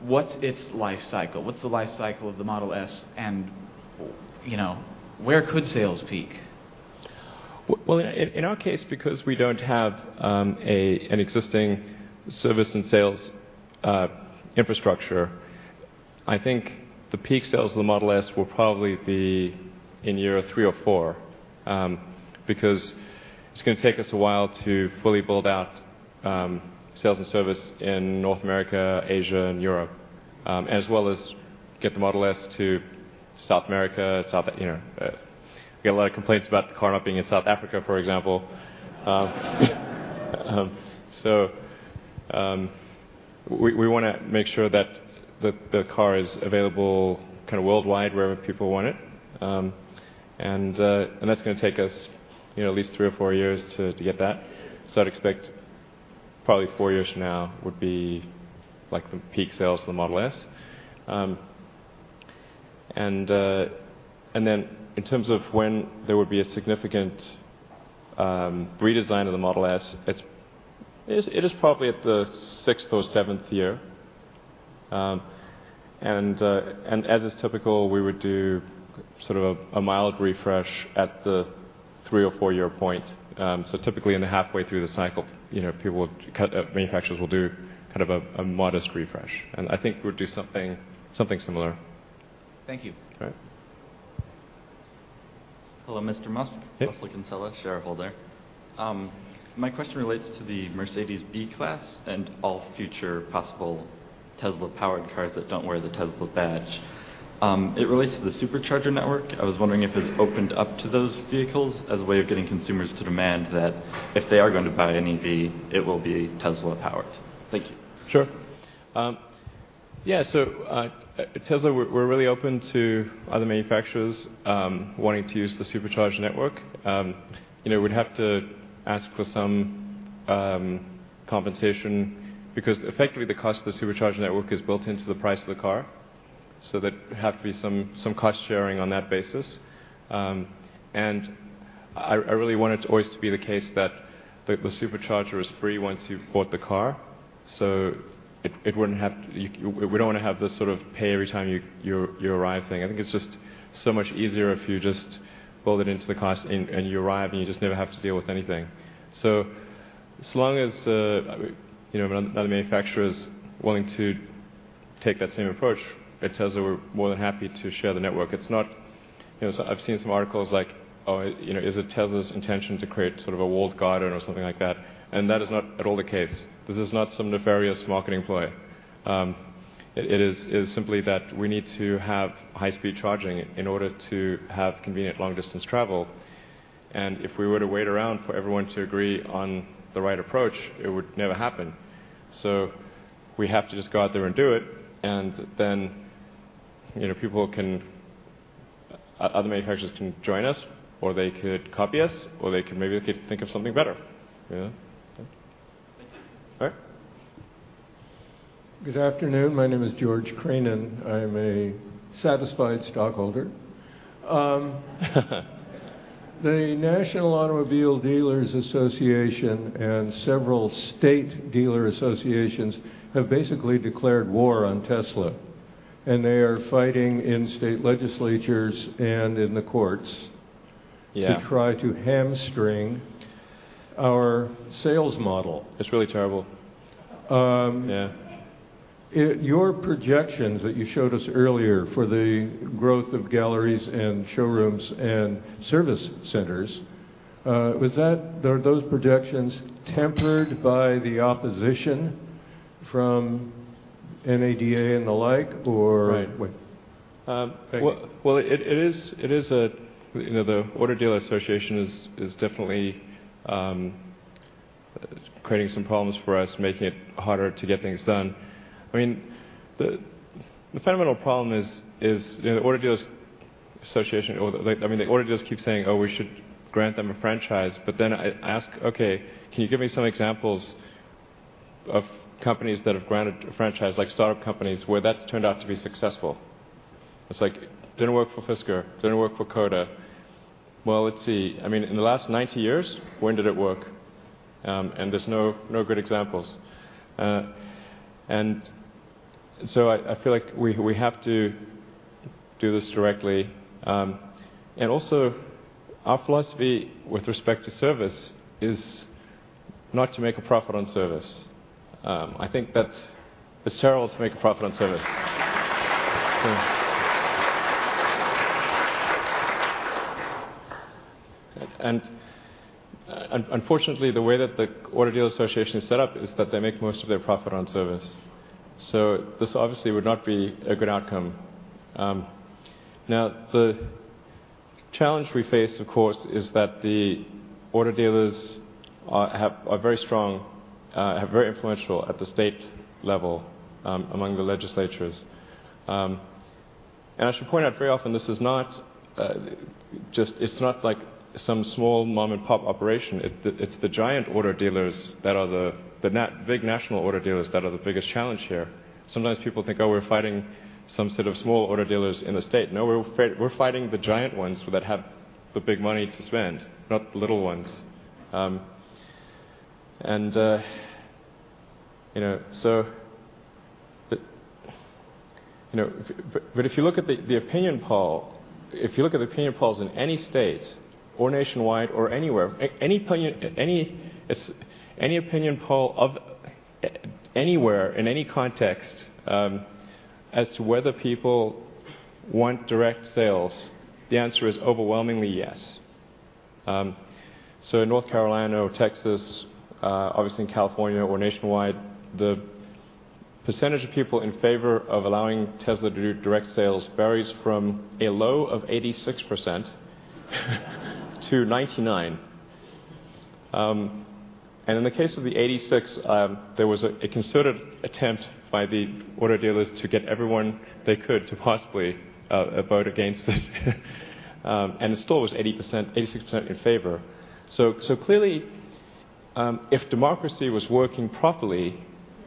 What's its life cycle? What's the life cycle of the Model S, and where could sales peak? Well, in our case, because we don't have an existing service and sales infrastructure, I think the peak sales of the Model S will probably be in year three or four. It's going to take us a while to fully build out sales and service in North America, Asia, and Europe, as well as get the Model S to South America. We get a lot of complaints about the car not being in South Africa, for example. We want to make sure that the car is available worldwide, wherever people want it. That's going to take us at least three or four years to get that. I'd expect probably four years from now would be the peak sales of the Model S. In terms of when there would be a significant redesign of the Model S, it is probably at the sixth or seventh year. As is typical, we would do sort of a mild refresh at the three or four-year point. Typically in halfway through the cycle, manufacturers will do a modest refresh, and I think we'll do something similar. Thank you. All right. Hello, Mr. Musk. Hey. Wesley Kinsella, shareholder. My question relates to the Mercedes B-Class and all future possible Tesla-powered cars that don't wear the Tesla badge. It relates to the Supercharger network. I was wondering if it was opened up to those vehicles as a way of getting consumers to demand that if they are going to buy an EV, it will be Tesla-powered. Thank you. Sure. Yeah, at Tesla, we're really open to other manufacturers wanting to use the Supercharger network. We'd have to ask for some compensation because effectively the cost of the Supercharger network is built into the price of the car, so there'd have to be some cost-sharing on that basis. I really want it to always to be the case that the Supercharger is free once you've bought the car, so we don't want to have this sort of pay every time you arrive thing. I think it's just so much easier if you just build it into the cost and you arrive, and you just never have to deal with anything. As long as another manufacturer's willing to take that same approach, at Tesla, we're more than happy to share the network. I've seen some articles like, oh, is it Tesla's intention to create sort of a walled garden or something like that? That is not at all the case. This is not some nefarious marketing ploy. It is simply that we need to have high-speed charging in order to have convenient long-distance travel, and if we were to wait around for everyone to agree on the right approach, it would never happen. We have to just go out there and do it, and then other manufacturers can join us, or they could copy us, or maybe they could think of something better. Yeah. Thank you. All right. Good afternoon. My name is George Crane. I'm a satisfied stockholder. The National Automobile Dealers Association and several state dealer associations have basically declared war on Tesla, they are fighting in state legislatures and in the courts- Yeah to try to hamstring our sales model. It's really terrible. Yeah. Your projections that you showed us earlier for the growth of galleries and showrooms and service centers, are those projections tempered by the opposition from NADA and the like, or- Well, the Auto Dealer Association is definitely creating some problems for us, making it harder to get things done. The fundamental problem is the Auto Dealer Association, the auto dealers keep saying, "Oh, we should grant them a franchise," but then I ask, "Okay, can you give me some examples of companies that have granted franchise, like startup companies, where that's turned out to be successful?" It's like, didn't work for Fisker. Didn't work for Coda. Well, let's see. In the last 90 years, where did it work? There's no good examples. I feel like we have to do this directly. Also, our philosophy with respect to service is not to make a profit on service. I think that it's terrible to make a profit on service. Unfortunately, the way that the Auto Dealer Association is set up is that they make most of their profit on service. This obviously would not be a good outcome. The challenge we face, of course, is that the auto dealers are very influential at the state level among the legislatures. I should point out very often, this is not like some small mom-and-pop operation. It's the giant auto dealers, the big national auto dealers, that are the biggest challenge here. Sometimes people think, oh, we're fighting some sort of small auto dealers in the state. No, we're fighting the giant ones that have the big money to spend, not the little ones. If you look at the opinion polls in any state or nationwide or anywhere, any opinion poll anywhere, in any context, as to whether people want direct sales, the answer is overwhelmingly yes. North Carolina or Texas, obviously in California or nationwide, the percentage of people in favor of allowing Tesla to do direct sales varies from a low of 86% to 99%. In the case of the 86%, there was a concerted attempt by the auto dealers to get everyone they could to possibly vote against us. It still was 86% in favor. Clearly, if democracy was working properly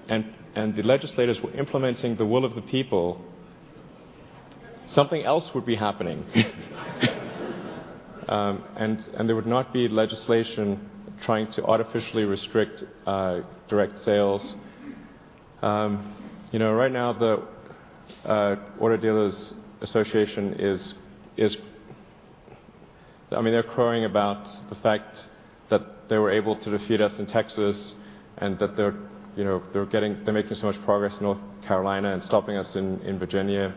and the legislators were implementing the will of the people, something else would be happening. There would not be legislation trying to artificially restrict direct sales. Right now, the Auto Dealers Association, they're crowing about the fact that they were able to defeat us in Texas and that they're making so much progress in North Carolina and stopping us in Virginia.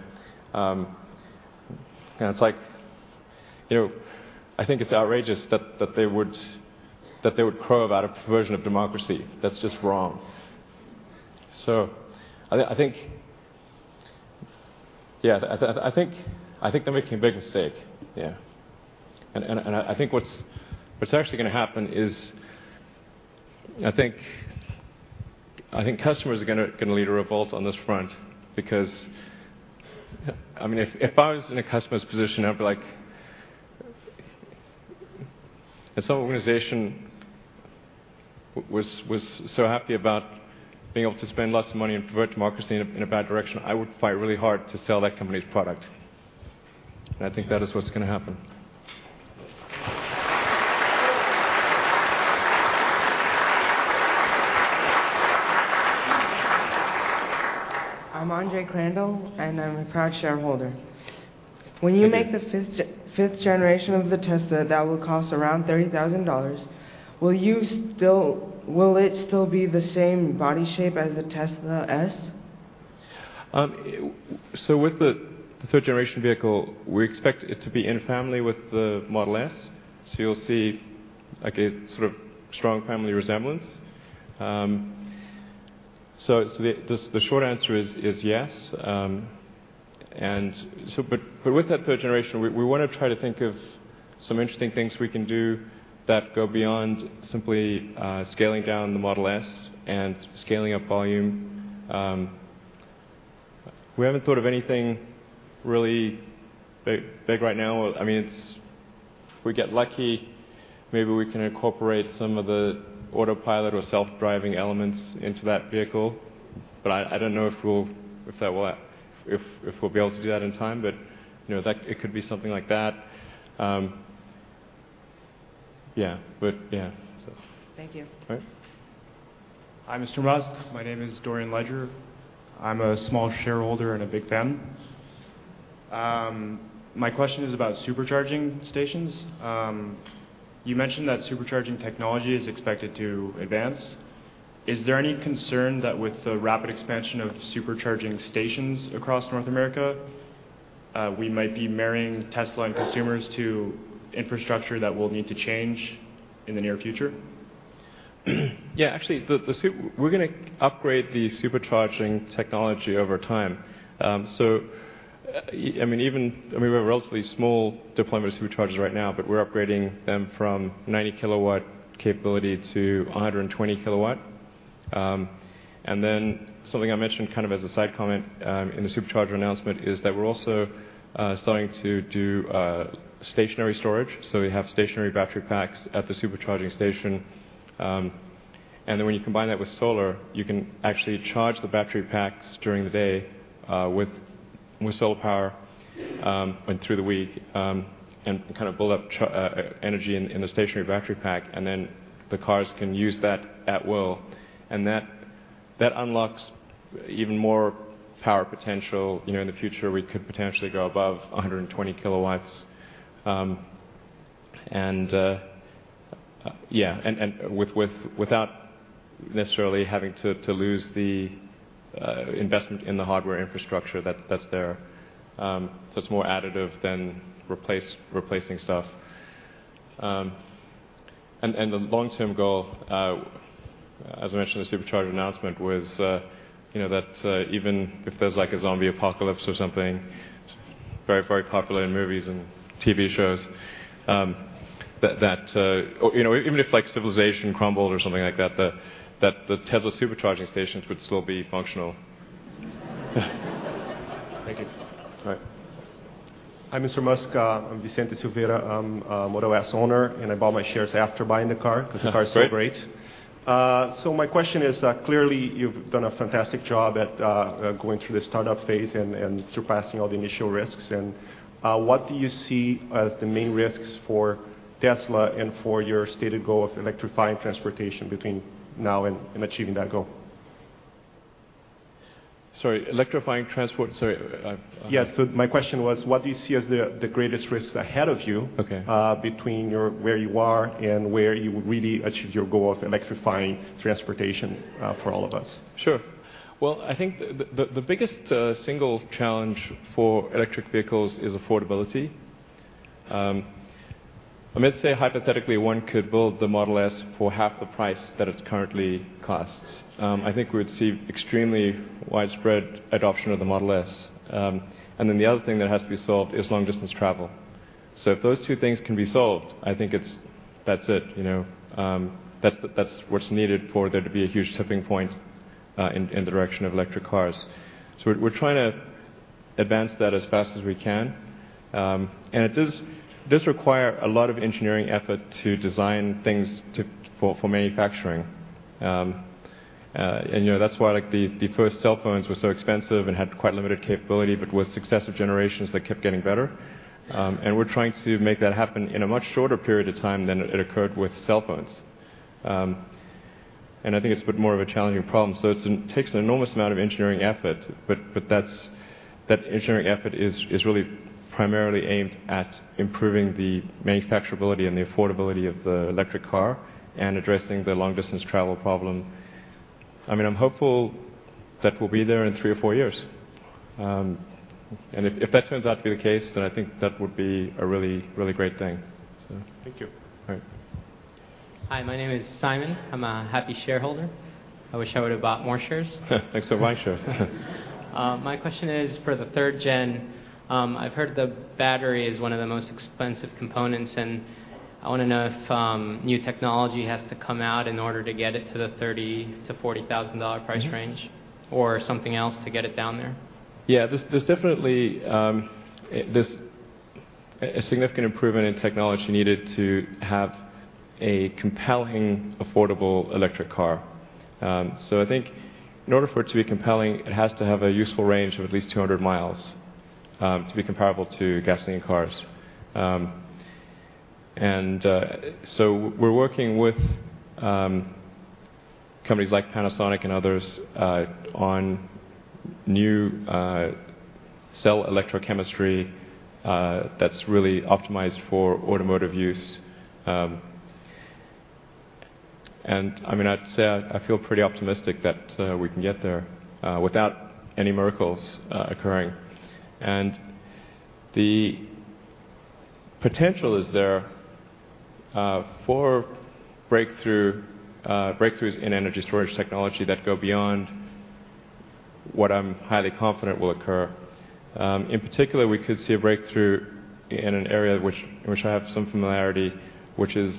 I think it's outrageous that they would crow about a perversion of democracy. That's just wrong. I think they're making a big mistake. I think what's actually going to happen is, customers are going to lead a revolt on this front because if I was in a customer's position, I would be like, if some organization was so happy about being able to spend lots of money and pervert democracy in a bad direction, I would fight really hard to sell that company's product. I think that is what's going to happen. I'm Andre Crandall, and I'm a proud shareholder. Thank you. When you make the fifth generation of the Tesla that will cost around $30,000, will it still be the same body shape as the Model S? With the third-generation vehicle, we expect it to be in family with the Model S. You'll see a sort of strong family resemblance. The short answer is yes. With that third generation, we want to try to think of some interesting things we can do that go beyond simply scaling down the Model S and scaling up volume. We haven't thought of anything really big right now. If we get lucky, maybe we can incorporate some of the Autopilot or self-driving elements into that vehicle, I don't know if we'll be able to do that in time. It could be something like that. Yeah. Thank you. All right. Hi, Mr. Musk. My name is Dorian Ledger. I'm a small shareholder and a big fan. My question is about Supercharging stations. You mentioned that Supercharging technology is expected to advance. Is there any concern that with the rapid expansion of Supercharging stations across North America, we might be marrying Tesla and consumers to infrastructure that will need to change in the near future? Yeah. Actually, we're going to upgrade the Supercharging technology over time. We have a relatively small deployment of Superchargers right now, but we're upgrading them from 90-kilowatt capability to 120 kilowatts. Something I mentioned kind of as a side comment in the Supercharger announcement is that we're also starting to do stationary storage. We have stationary battery packs at the Supercharging station. When you combine that with solar, you can actually charge the battery packs during the day with solar power, and through the week, and kind of build up energy in the stationary battery pack, and the cars can use that at will. That unlocks even more power potential. In the future, we could potentially go above 120 kilowatts, and yeah, without necessarily having to lose the investment in the hardware infrastructure that's there. It's more additive than replacing stuff. The long-term goal, as I mentioned in the Supercharger announcement, was that even if there's like a zombie apocalypse or something, very popular in movies and TV shows, or even if civilization crumbled or something like that, the Tesla Supercharging stations would still be functional. Thank you. All right. Hi, Mr. Musk. I'm Vicente Silvera. I'm a Model S owner. I bought my shares after buying the car. Great Because the car's so great. My question is, clearly you've done a fantastic job at going through the startup phase and surpassing all the initial risks. What do you see as the main risks for Tesla and for your stated goal of electrifying transportation between now and achieving that goal? Sorry, electrifying transport, sorry. Yeah. My question was, what do you see as the greatest risks ahead of you? Okay Between where you are and where you would really achieve your goal of electrifying transportation for all of us? Sure. Well, I think the biggest single challenge for electric vehicles is affordability. Let's say hypothetically one could build the Model S for half the price that it currently costs. I think we would see extremely widespread adoption of the Model S. Then the other thing that has to be solved is long-distance travel. If those two things can be solved, I think that's it. That's what's needed for there to be a huge tipping point in the direction of electric cars. We're trying to advance that as fast as we can, and it does require a lot of engineering effort to design things for manufacturing. That's why the first cell phones were so expensive and had quite limited capability, but with successive generations, they kept getting better. We're trying to make that happen in a much shorter period of time than it occurred with cell phones. I think it's a bit more of a challenging problem. It takes an enormous amount of engineering effort, but that engineering effort is really primarily aimed at improving the manufacturability and the affordability of the electric car and addressing the long-distance travel problem. I'm hopeful that we'll be there in three or four years. If that turns out to be the case, then I think that would be a really great thing. Thank you. All right. Hi, my name is Simon. I'm a happy shareholder. I wish I would've bought more shares. Thanks for buying shares. My question is for the third-gen, I've heard the battery is one of the most expensive components. I want to know if new technology has to come out in order to get it to the $30,000-$40,000 price range or something else to get it down there. Yeah. There's definitely a significant improvement in technology needed to have a compelling, affordable electric car. I think in order for it to be compelling, it has to have a useful range of at least 200 miles to be comparable to gasoline cars. We're working with companies like Panasonic and others on new cell electrochemistry that's really optimized for automotive use. I'd say I feel pretty optimistic that we can get there without any miracles occurring. The potential is there for breakthroughs in energy storage technology that go beyond what I'm highly confident will occur. In particular, we could see a breakthrough in an area in which I have some familiarity, which is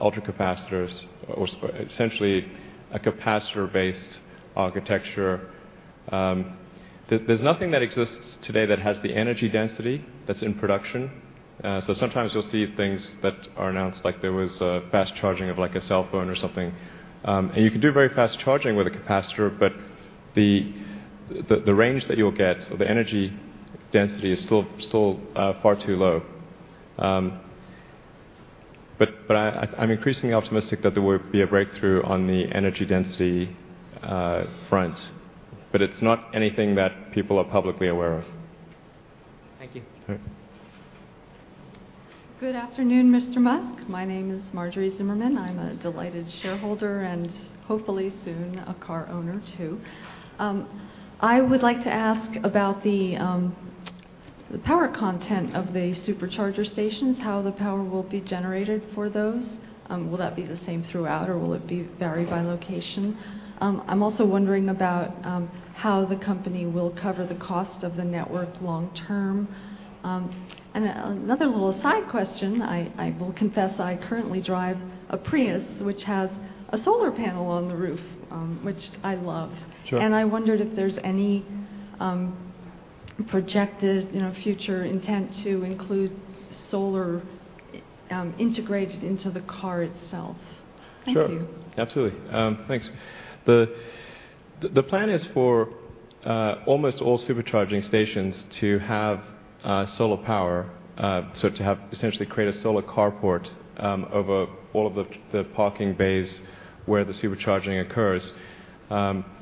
ultracapacitors, or essentially a capacitor-based architecture. There's nothing that exists today that has the energy density that's in production. Sometimes you'll see things that are announced, like there was fast charging of a cell phone or something. You can do very fast charging with a capacitor, but the range that you'll get or the energy density is still far too low. I'm increasingly optimistic that there will be a breakthrough on the energy density front. It's not anything that people are publicly aware of. Thank you. Okay. Good afternoon, Mr. Musk. My name is Marjorie Zimmerman. I'm a delighted shareholder and hopefully soon a car owner, too. I would like to ask about the power content of the Supercharger stations, how the power will be generated for those. Will that be the same throughout, or will it be varied by location? I'm also wondering about how the company will cover the cost of the network long term. Another little side question, I will confess, I currently drive a Prius, which has a solar panel on the roof, which I love. Sure. I wondered if there's any projected future intent to include solar integrated into the car itself. Thank you. Sure. Absolutely. Thanks. The plan is for almost all Supercharging stations to have solar power, so to essentially create a solar carport over all of the parking bays where the Supercharging occurs. Sometimes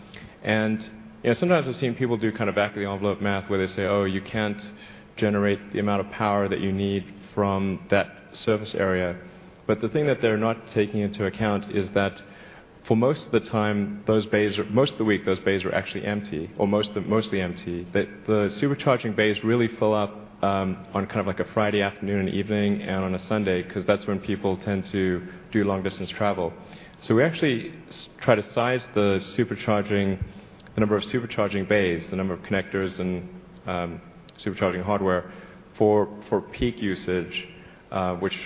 I've seen people do back of the envelope math where they say, "Oh, you can't generate the amount of power that you need from that surface area." The thing that they're not taking into account is that for most of the week, those bays are actually empty or mostly empty. The Supercharging bays really fill up on a Friday afternoon and evening and on a Sunday, because that's when people tend to do long-distance travel. We actually try to size the number of Supercharging bays, the number of connectors and Supercharging hardware for peak usage, which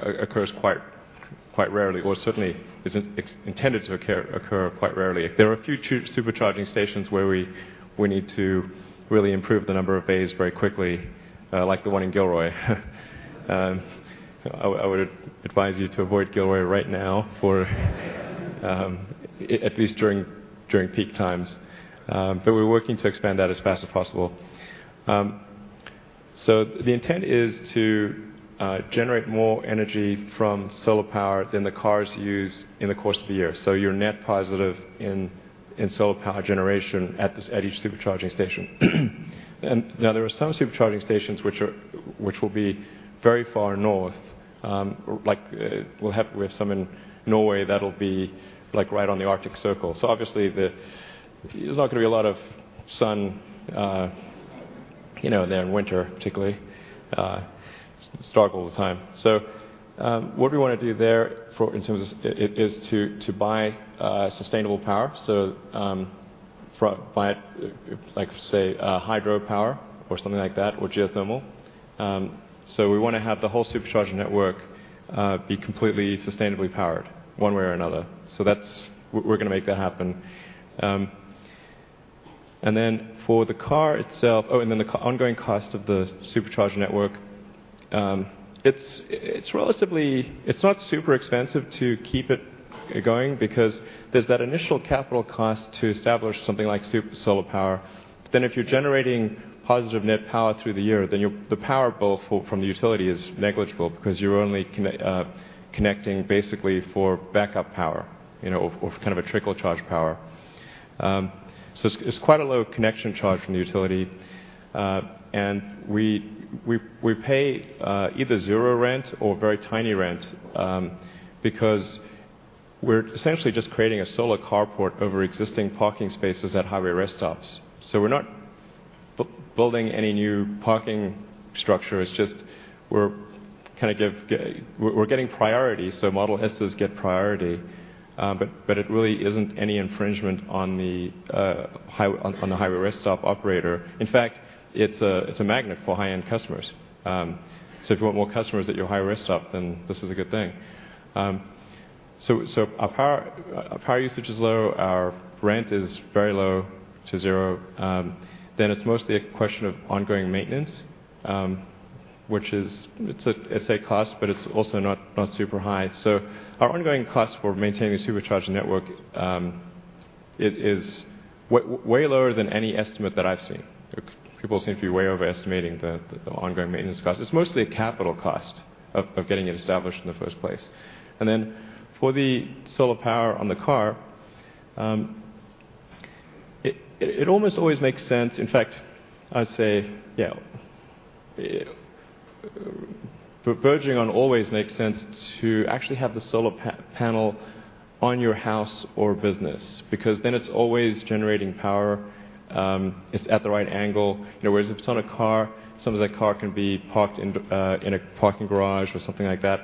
occurs quite rarely, or certainly is intended to occur quite rarely. There are a few Supercharging stations where we need to really improve the number of bays very quickly, like the one in Gilroy. I would advise you to avoid Gilroy right now, at least during peak times. We're working to expand that as fast as possible. The intent is to generate more energy from solar power than the cars use in the course of a year. You're net positive in solar power generation at each Supercharging station. Now, there are some Supercharging stations which will be very far north. We have some in Norway that'll be right on the Arctic Circle. Obviously, there's not going to be a lot of sun there in winter, particularly. It's dark all the time. What we want to do there is to buy sustainable power, like, say, hydropower or something like that, or geothermal. We want to have the whole Supercharger network be completely sustainably powered one way or another. We're going to make that happen. The ongoing cost of the Supercharger network, it's not super expensive to keep it going because there's that initial capital cost to establish something like solar power. If you're generating positive net power through the year, the power bill from the utility is negligible because you're only connecting basically for backup power or a trickle charge power. It's quite a low connection charge from the utility. We pay either zero rent or very tiny rent because we're essentially just creating a solar carport over existing parking spaces at highway rest stops. We're not building any new parking structure. We're getting priority, Model S's get priority, it really isn't any infringement on the highway rest stop operator. In fact, it's a magnet for high-end customers. If you want more customers at your highway rest stop, this is a good thing. Our power usage is low, our rent is very low to zero. It's mostly a question of ongoing maintenance, it's a cost, it's also not super high. Our ongoing cost for maintaining the Supercharging network is way lower than any estimate that I've seen. People seem to be way overestimating the ongoing maintenance cost. It's mostly a capital cost of getting it established in the first place. For the solar power on the car, it almost always makes sense, in fact, I'd say verging on always makes sense to actually have the solar panel on your house or business, it's always generating power. It's at the right angle. Whereas if it's on a car, sometimes that car can be parked in a parking garage or something like that.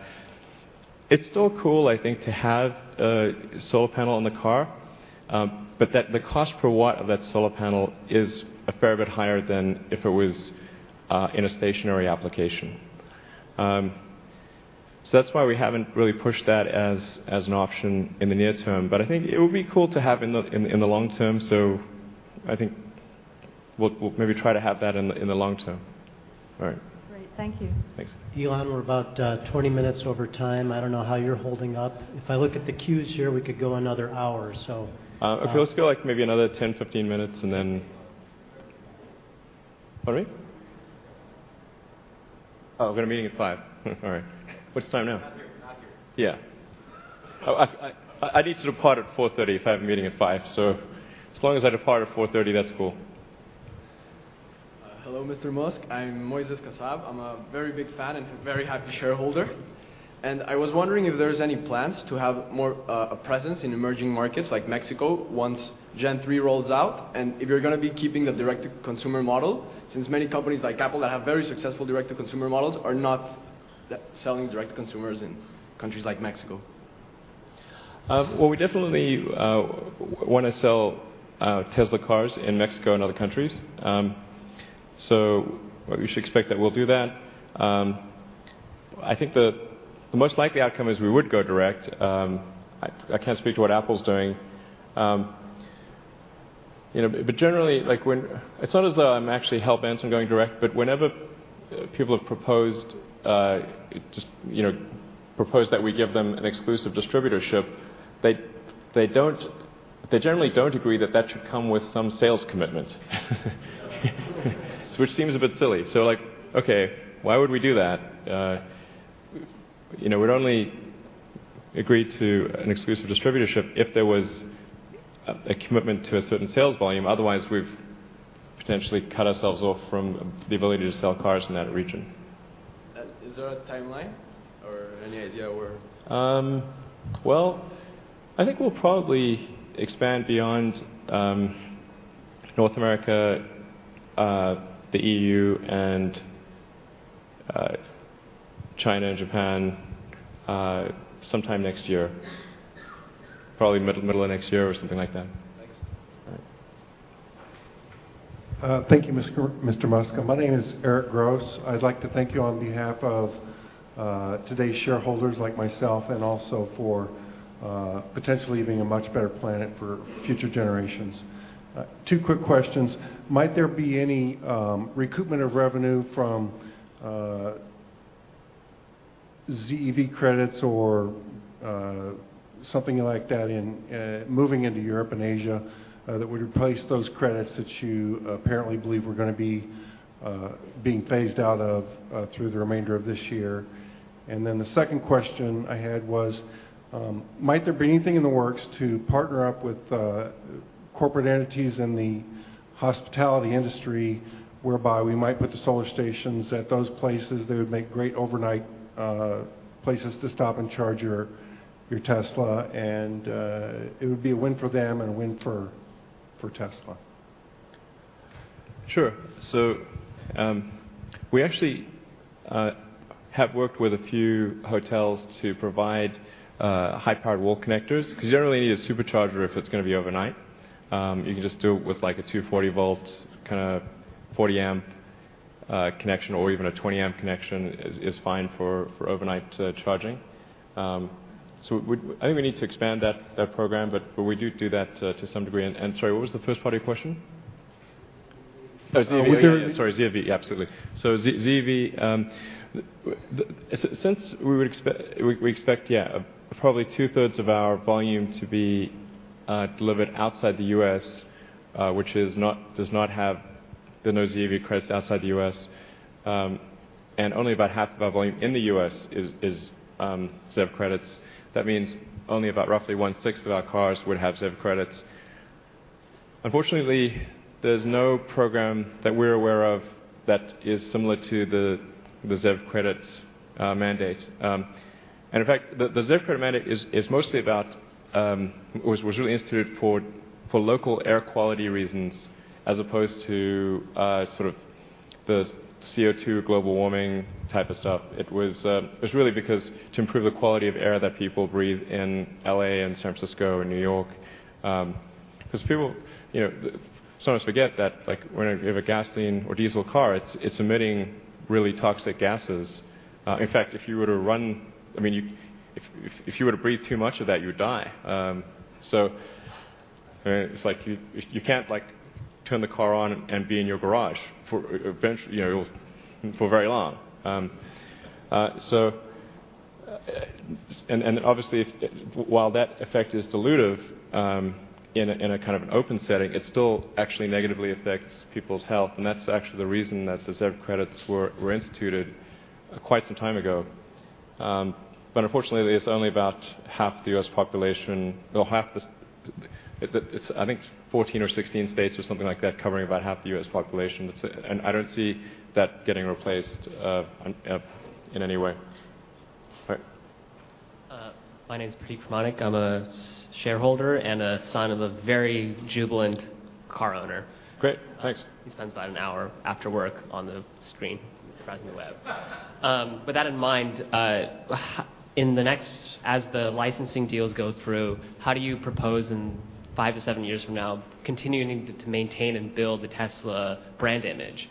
It's still cool, I think, to have a solar panel on the car, the cost per watt of that solar panel is a fair bit higher than if it was in a stationary application. That's why we haven't really pushed that as an option in the near term. I think it would be cool to have in the long term, I think we'll maybe try to have that in the long term. All right. Great. Thank you. Thanks. Elon, we're about 20 minutes over time. I don't know how you're holding up. If I look at the queues here, we could go another hour or so. Okay, let's go maybe another 10, 15 minutes. Pardon me? Oh, we've got a meeting at 5:00. All right. What's the time now? Not here. Yeah. I need to depart at 4:30 if I have a meeting at 5:00. As long as I depart at 4:30, that's cool. Hello, Mr. Musk. I'm Moises Kasab. I'm a very big fan and very happy shareholder. I was wondering if there's any plans to have more presence in emerging markets like Mexico once Gen 3 rolls out, and if you're going to be keeping the direct-to-consumer model, since many companies like Apple that have very successful direct-to-consumer models are not selling direct to consumers in countries like Mexico. Well, we definitely want to sell Tesla cars in Mexico and other countries. You should expect that we'll do that. I think the most likely outcome is we would go direct. I can't speak to what Apple's doing. Generally, it's not as though I'm actually hellbent on going direct, but whenever people have proposed that we give them an exclusive distributorship, they generally don't agree that that should come with some sales commitment. Which seems a bit silly. Okay, why would we do that? We'd only agree to an exclusive distributorship if there was a commitment to a certain sales volume. Otherwise, we've potentially cut ourselves off from the ability to sell cars in that region. Is there a timeline or any idea where I think we'll probably expand beyond North America, the EU, and China, and Japan sometime next year. Probably middle of next year or something like that. Thanks. All right. Thank you, Mr. Musk. My name is Eric Gross. I'd like to thank you on behalf of today's shareholders like myself, and also for potentially leaving a much better planet for future generations. Two quick questions. Might there be any recoupment of revenue from ZEV credits or something like that in moving into Europe and Asia that would replace those credits that you apparently believe were going to be being phased out of through the remainder of this year? The second question I had was, might there be anything in the works to partner up with corporate entities in the hospitality industry, whereby we might put the solar stations at those places? They would make great overnight places to stop and charge your Tesla, and it would be a win for them and a win for Tesla. Sure. We actually have worked with a few hotels to provide high-powered wall connectors, because you don't really need a Supercharger if it's going to be overnight. You can just do it with a 240 volt, 40 amp connection, or even a 20 amp connection is fine for overnight charging. I think we need to expand that program, but we do that to some degree. Sorry, what was the first part of your question? ZEV. ZEV. Sorry, ZEV. Absolutely. ZEV, since we expect probably two-thirds of our volume to be delivered outside the U.S., which does not have the ZEV credits outside the U.S., and only about half of our volume in the U.S. is ZEV credits, that means only about roughly one-sixth of our cars would have ZEV credits. Unfortunately, there's no program that we're aware of that is similar to the ZEV credits mandate. In fact, the ZEV credit mandate was really instituted for local air quality reasons as opposed to the CO2 global warming type of stuff. It was really to improve the quality of air that people breathe in L.A., and San Francisco, and New York. People sometimes forget that when you have a gasoline or diesel car, it's emitting really toxic gases. In fact, if you were to breathe too much of that, you would die. It's like you can't turn the car on and be in your garage for very long. Obviously, while that effect is dilutive in a kind of an open setting, it still actually negatively affects people's health, and that's actually the reason that the ZEV credits were instituted quite some time ago. Unfortunately, it's only about half the U.S. population. I think it's 14 or 16 states or something like that covering about half the U.S. population, and I don't see that getting replaced in any way. All right. My name's Pradeep Manik. I'm a shareholder and a son of a very jubilant car owner. Great. Thanks. He spends about an hour after work on the screen browsing the web. With that in mind, as the licensing deals go through, how do you propose in 5-7 years from now continuing to maintain and build the Tesla brand image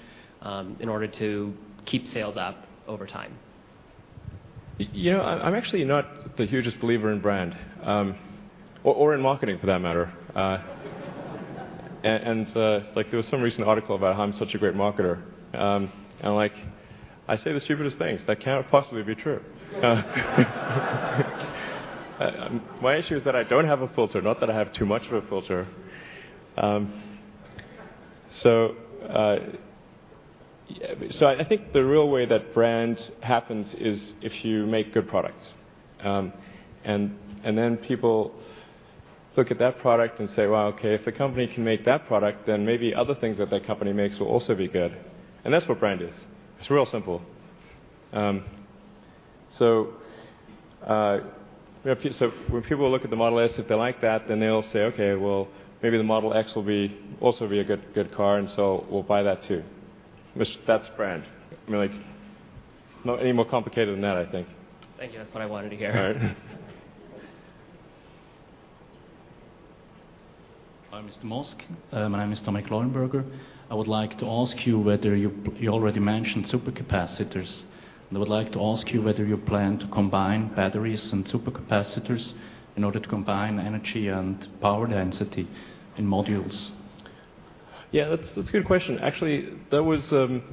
in order to keep sales up over time? I'm actually not the hugest believer in brand, or in marketing for that matter. There was some recent article about how I'm such a great marketer, I say the stupidest things. That can't possibly be true. My issue is that I don't have a filter, not that I have too much of a filter. I think the real way that brand happens is if you make good products, then people look at that product and say, "Well, okay, if the company can make that product, then maybe other things that that company makes will also be good." That's what brand is. It's real simple. When people look at the Model S, if they like that, then they'll say, "Okay, well, maybe the Model X will also be a good car, we'll buy that too." That's brand. Not any more complicated than that, I think. Thank you. That's what I wanted to hear. All right. Hi, Mr. Musk. My name is Tommy Gloppenberger. I would like to ask you whether you already mentioned supercapacitors, I would like to ask you whether you plan to combine batteries and supercapacitors in order to combine energy and power density in modules. Yeah, that's a good question. Actually, in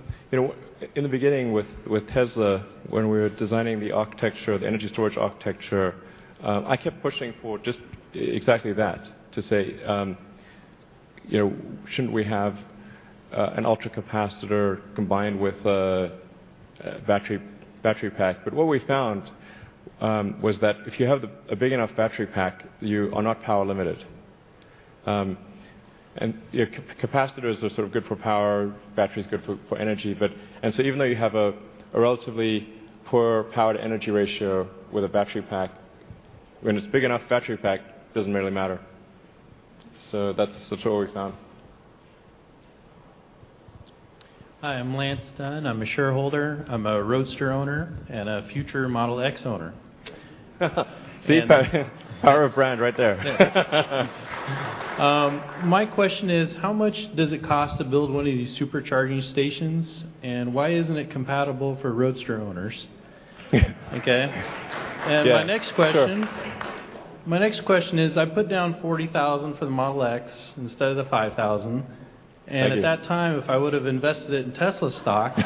the beginning with Tesla, when we were designing the architecture, the energy storage architecture, I kept pushing for just exactly that, to say, "Shouldn't we have an ultracapacitor combined with a battery pack?" What we found was that if you have a big enough battery pack, you are not power limited. Capacitors are sort of good for power, battery's good for energy, even though you have a relatively poor power-to-energy ratio with a battery pack, when it's a big enough battery pack, it doesn't really matter. That's what we found. Hi, I'm Lance Dunn. I'm a shareholder, I'm a Roadster owner, a future Model X owner. See, power of brand right there. My question is, how much does it cost to build one of these Supercharging stations, and why isn't it compatible for Roadster owners? Okay. Yeah, sure. My next question is, I put down 40,000 for the Model X instead of the 5,000- Thank you At that time, if I would've invested it in Tesla stock-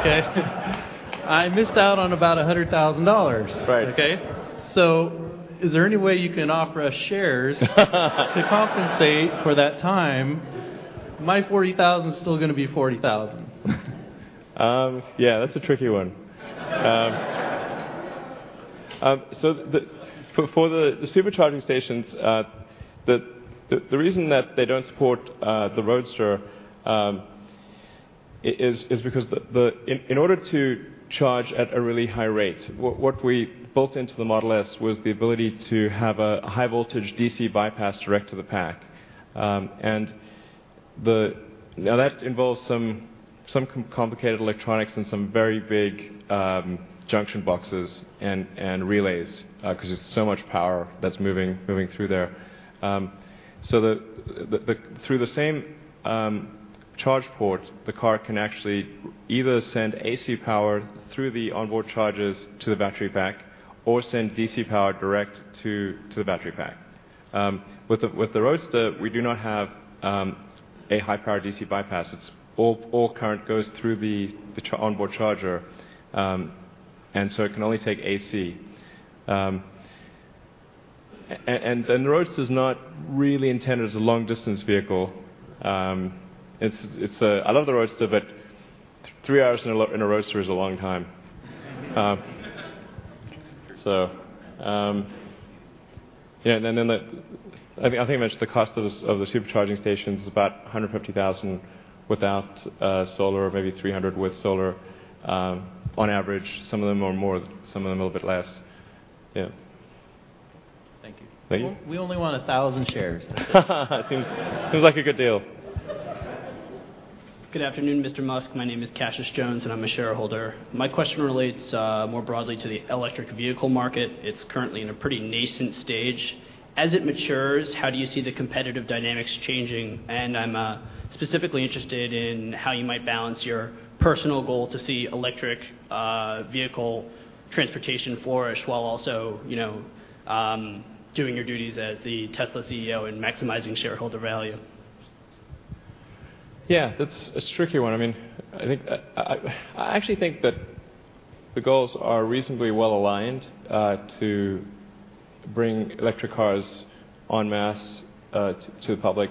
Okay. I missed out on about $100,000. Right. Okay? Is there any way you can offer us shares- to compensate for that time? My 40,000's still gonna be 40,000. Yeah, that's a tricky one. For the Supercharging stations, the reason that they don't support the Roadster is because in order to charge at a really high rate, what we built into the Model S was the ability to have a high voltage DC bypass direct to the pack. Now that involves some complicated electronics and some very big junction boxes and relays, because it's so much power that's moving through there. Through the same charge port, the car can actually either send AC power through the onboard chargers to the battery pack or send DC power direct to the battery pack. With the Roadster, we do not have a high power DC bypass. All current goes through the onboard charger, and so it can only take AC. The Roadster's not really intended as a long distance vehicle. I love the Roadster, three hours in a Roadster is a long time. I think I mentioned the cost of the Supercharging stations is about $150,000 without solar, maybe $300,000 with solar on average. Some of them are more, some of them a little bit less. Yeah. Thank you. Thank you. We only want 1,000 shares. Seems like a good deal. Good afternoon, Mr. Musk. My name is Cassius Jones, and I'm a shareholder. My question relates more broadly to the electric vehicle market. It's currently in a pretty nascent stage. As it matures, how do you see the competitive dynamics changing? I'm specifically interested in how you might balance your personal goal to see electric vehicle transportation flourish, while also doing your duties as the Tesla CEO and maximizing shareholder value. Yeah, that's a tricky one. I actually think that the goals are reasonably well-aligned to bring electric cars en masse to the public,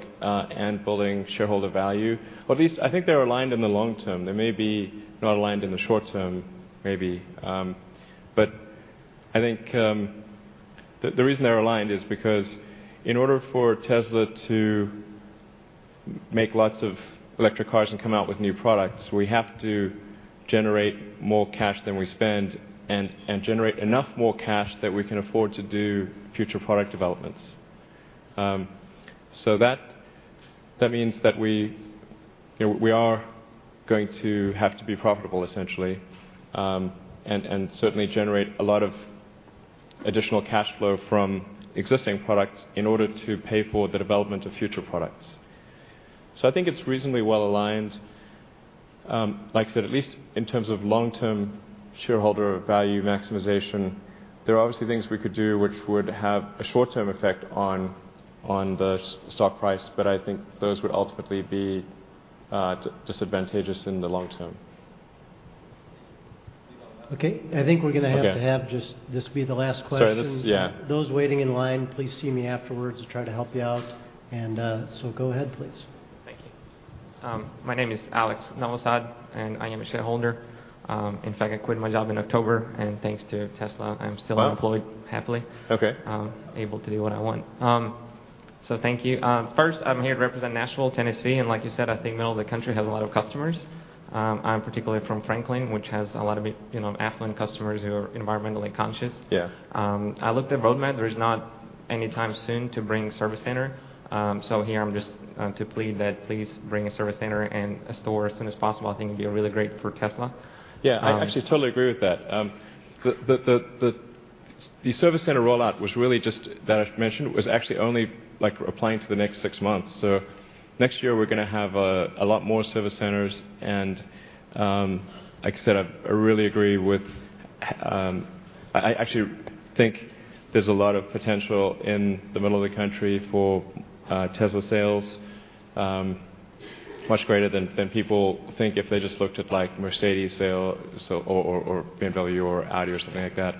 building shareholder value. At least, I think they're aligned in the long term. They may be not aligned in the short term maybe. I think the reason they're aligned is because in order for Tesla to make lots of electric cars and come out with new products. We have to generate more cash than we spend and generate enough more cash that we can afford to do future product developments. That means that we are going to have to be profitable, essentially, and certainly generate a lot of additional cash flow from existing products in order to pay for the development of future products. I think it's reasonably well-aligned. Like I said, at least in terms of long-term shareholder value maximization, there are obviously things we could do which would have a short-term effect on the stock price, I think those would ultimately be disadvantageous in the long term. Okay. I think we're going to have to have just this be the last question. Sorry. Yeah. Those waiting in line, please see me afterwards to try to help you out. Go ahead, please. Thank you. My name is Alex Navasad. I am a shareholder. In fact, I quit my job in October. Thanks to Tesla, I'm still employed. Wow happily. Okay. I'm able to do what I want. Thank you. First, I'm here to represent Nashville, Tennessee, and like you said, I think the middle of the country has a lot of customers. I'm particularly from Franklin, which has a lot of affluent customers who are environmentally conscious. Yeah. I looked at roadmap. There is not any time soon to bring service center. Here I'm just to plead that please bring a service center and a store as soon as possible. I think it'd be really great for Tesla. Yeah, I actually totally agree with that. The service center rollout that I mentioned was actually only applying to the next 6 months. Next year, we're going to have a lot more service centers and, like I said, I actually think there's a lot of potential in the middle of the country for Tesla sales. Much greater than people think if they just looked at Mercedes-Benz sale, or BMW or Audi or something like that.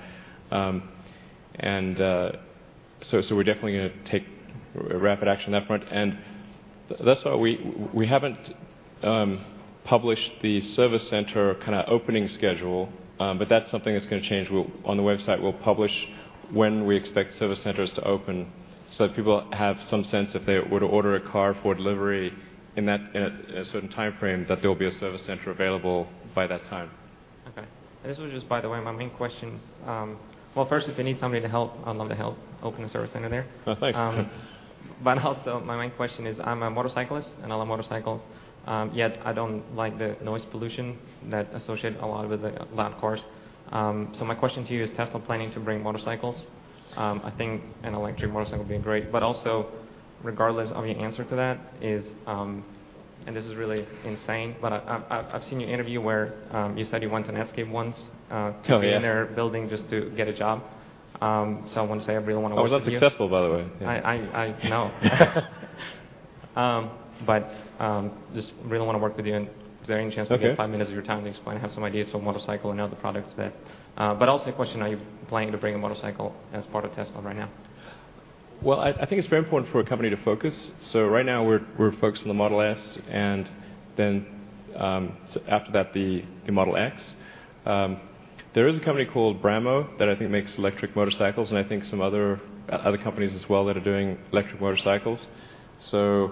We're definitely going to take rapid action on that front. That's why we haven't published the service center opening schedule, but that's something that's going to change. On the website, we'll publish when we expect service centers to open, so people have some sense if they were to order a car for delivery in a certain time frame, that there'll be a service center available by that time. Okay. This was just by the way. Well, first, if you need somebody to help, I'd love to help open a service center there. Thanks. Also, my main question is, I'm a motorcyclist and I love motorcycles, yet I don't like the noise pollution that associate a lot with the loud cars. My question to you is, Tesla planning to bring motorcycles? I think an electric motorcycle would be great, also regardless of your answer to that is, this is really insane, I've seen your interview where you said you went to Netscape once. Yeah. To be in their building just to get a job. I want to say I really want to work with you. I was not successful, by the way. I know. Just really want to work with you and is there any chance- Okay I can get five minutes of your time to explain? I have some ideas for a motorcycle and other products. Also a question, are you planning to bring a motorcycle as part of Tesla right now? Well, I think it's very important for a company to focus. Right now, we're focused on the Model S and then, after that, the Model X. There is a company called Brammo that I think makes electric motorcycles, and I think some other companies as well that are doing electric motorcycles. There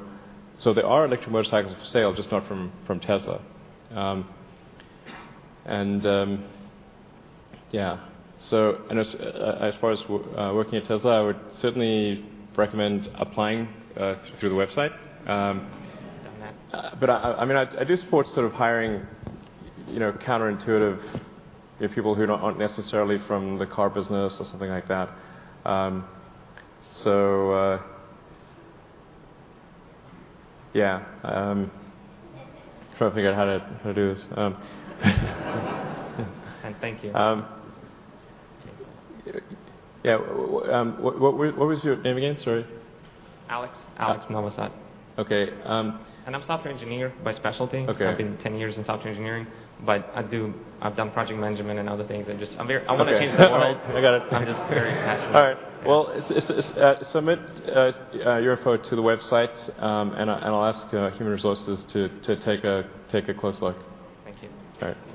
are electric motorcycles for sale, just not from Tesla. Yeah. As far as working at Tesla, I would certainly recommend applying through the website. Done that. I do support sort of hiring counterintuitive people who aren't necessarily from the car business or something like that. Yeah. Trying to figure out how to do this. Thank you. Yeah. What was your name again? Sorry. Alex Navasad. Okay. I'm software engineer by specialty. Okay. I've been 10 years in software engineering, but I've done project management and other things and just I want to change the world. I got it. I'm just very passionate. All right. Well, submit your info to the website. I'll ask human resources to take a close look. Thank you. All right. Thank you.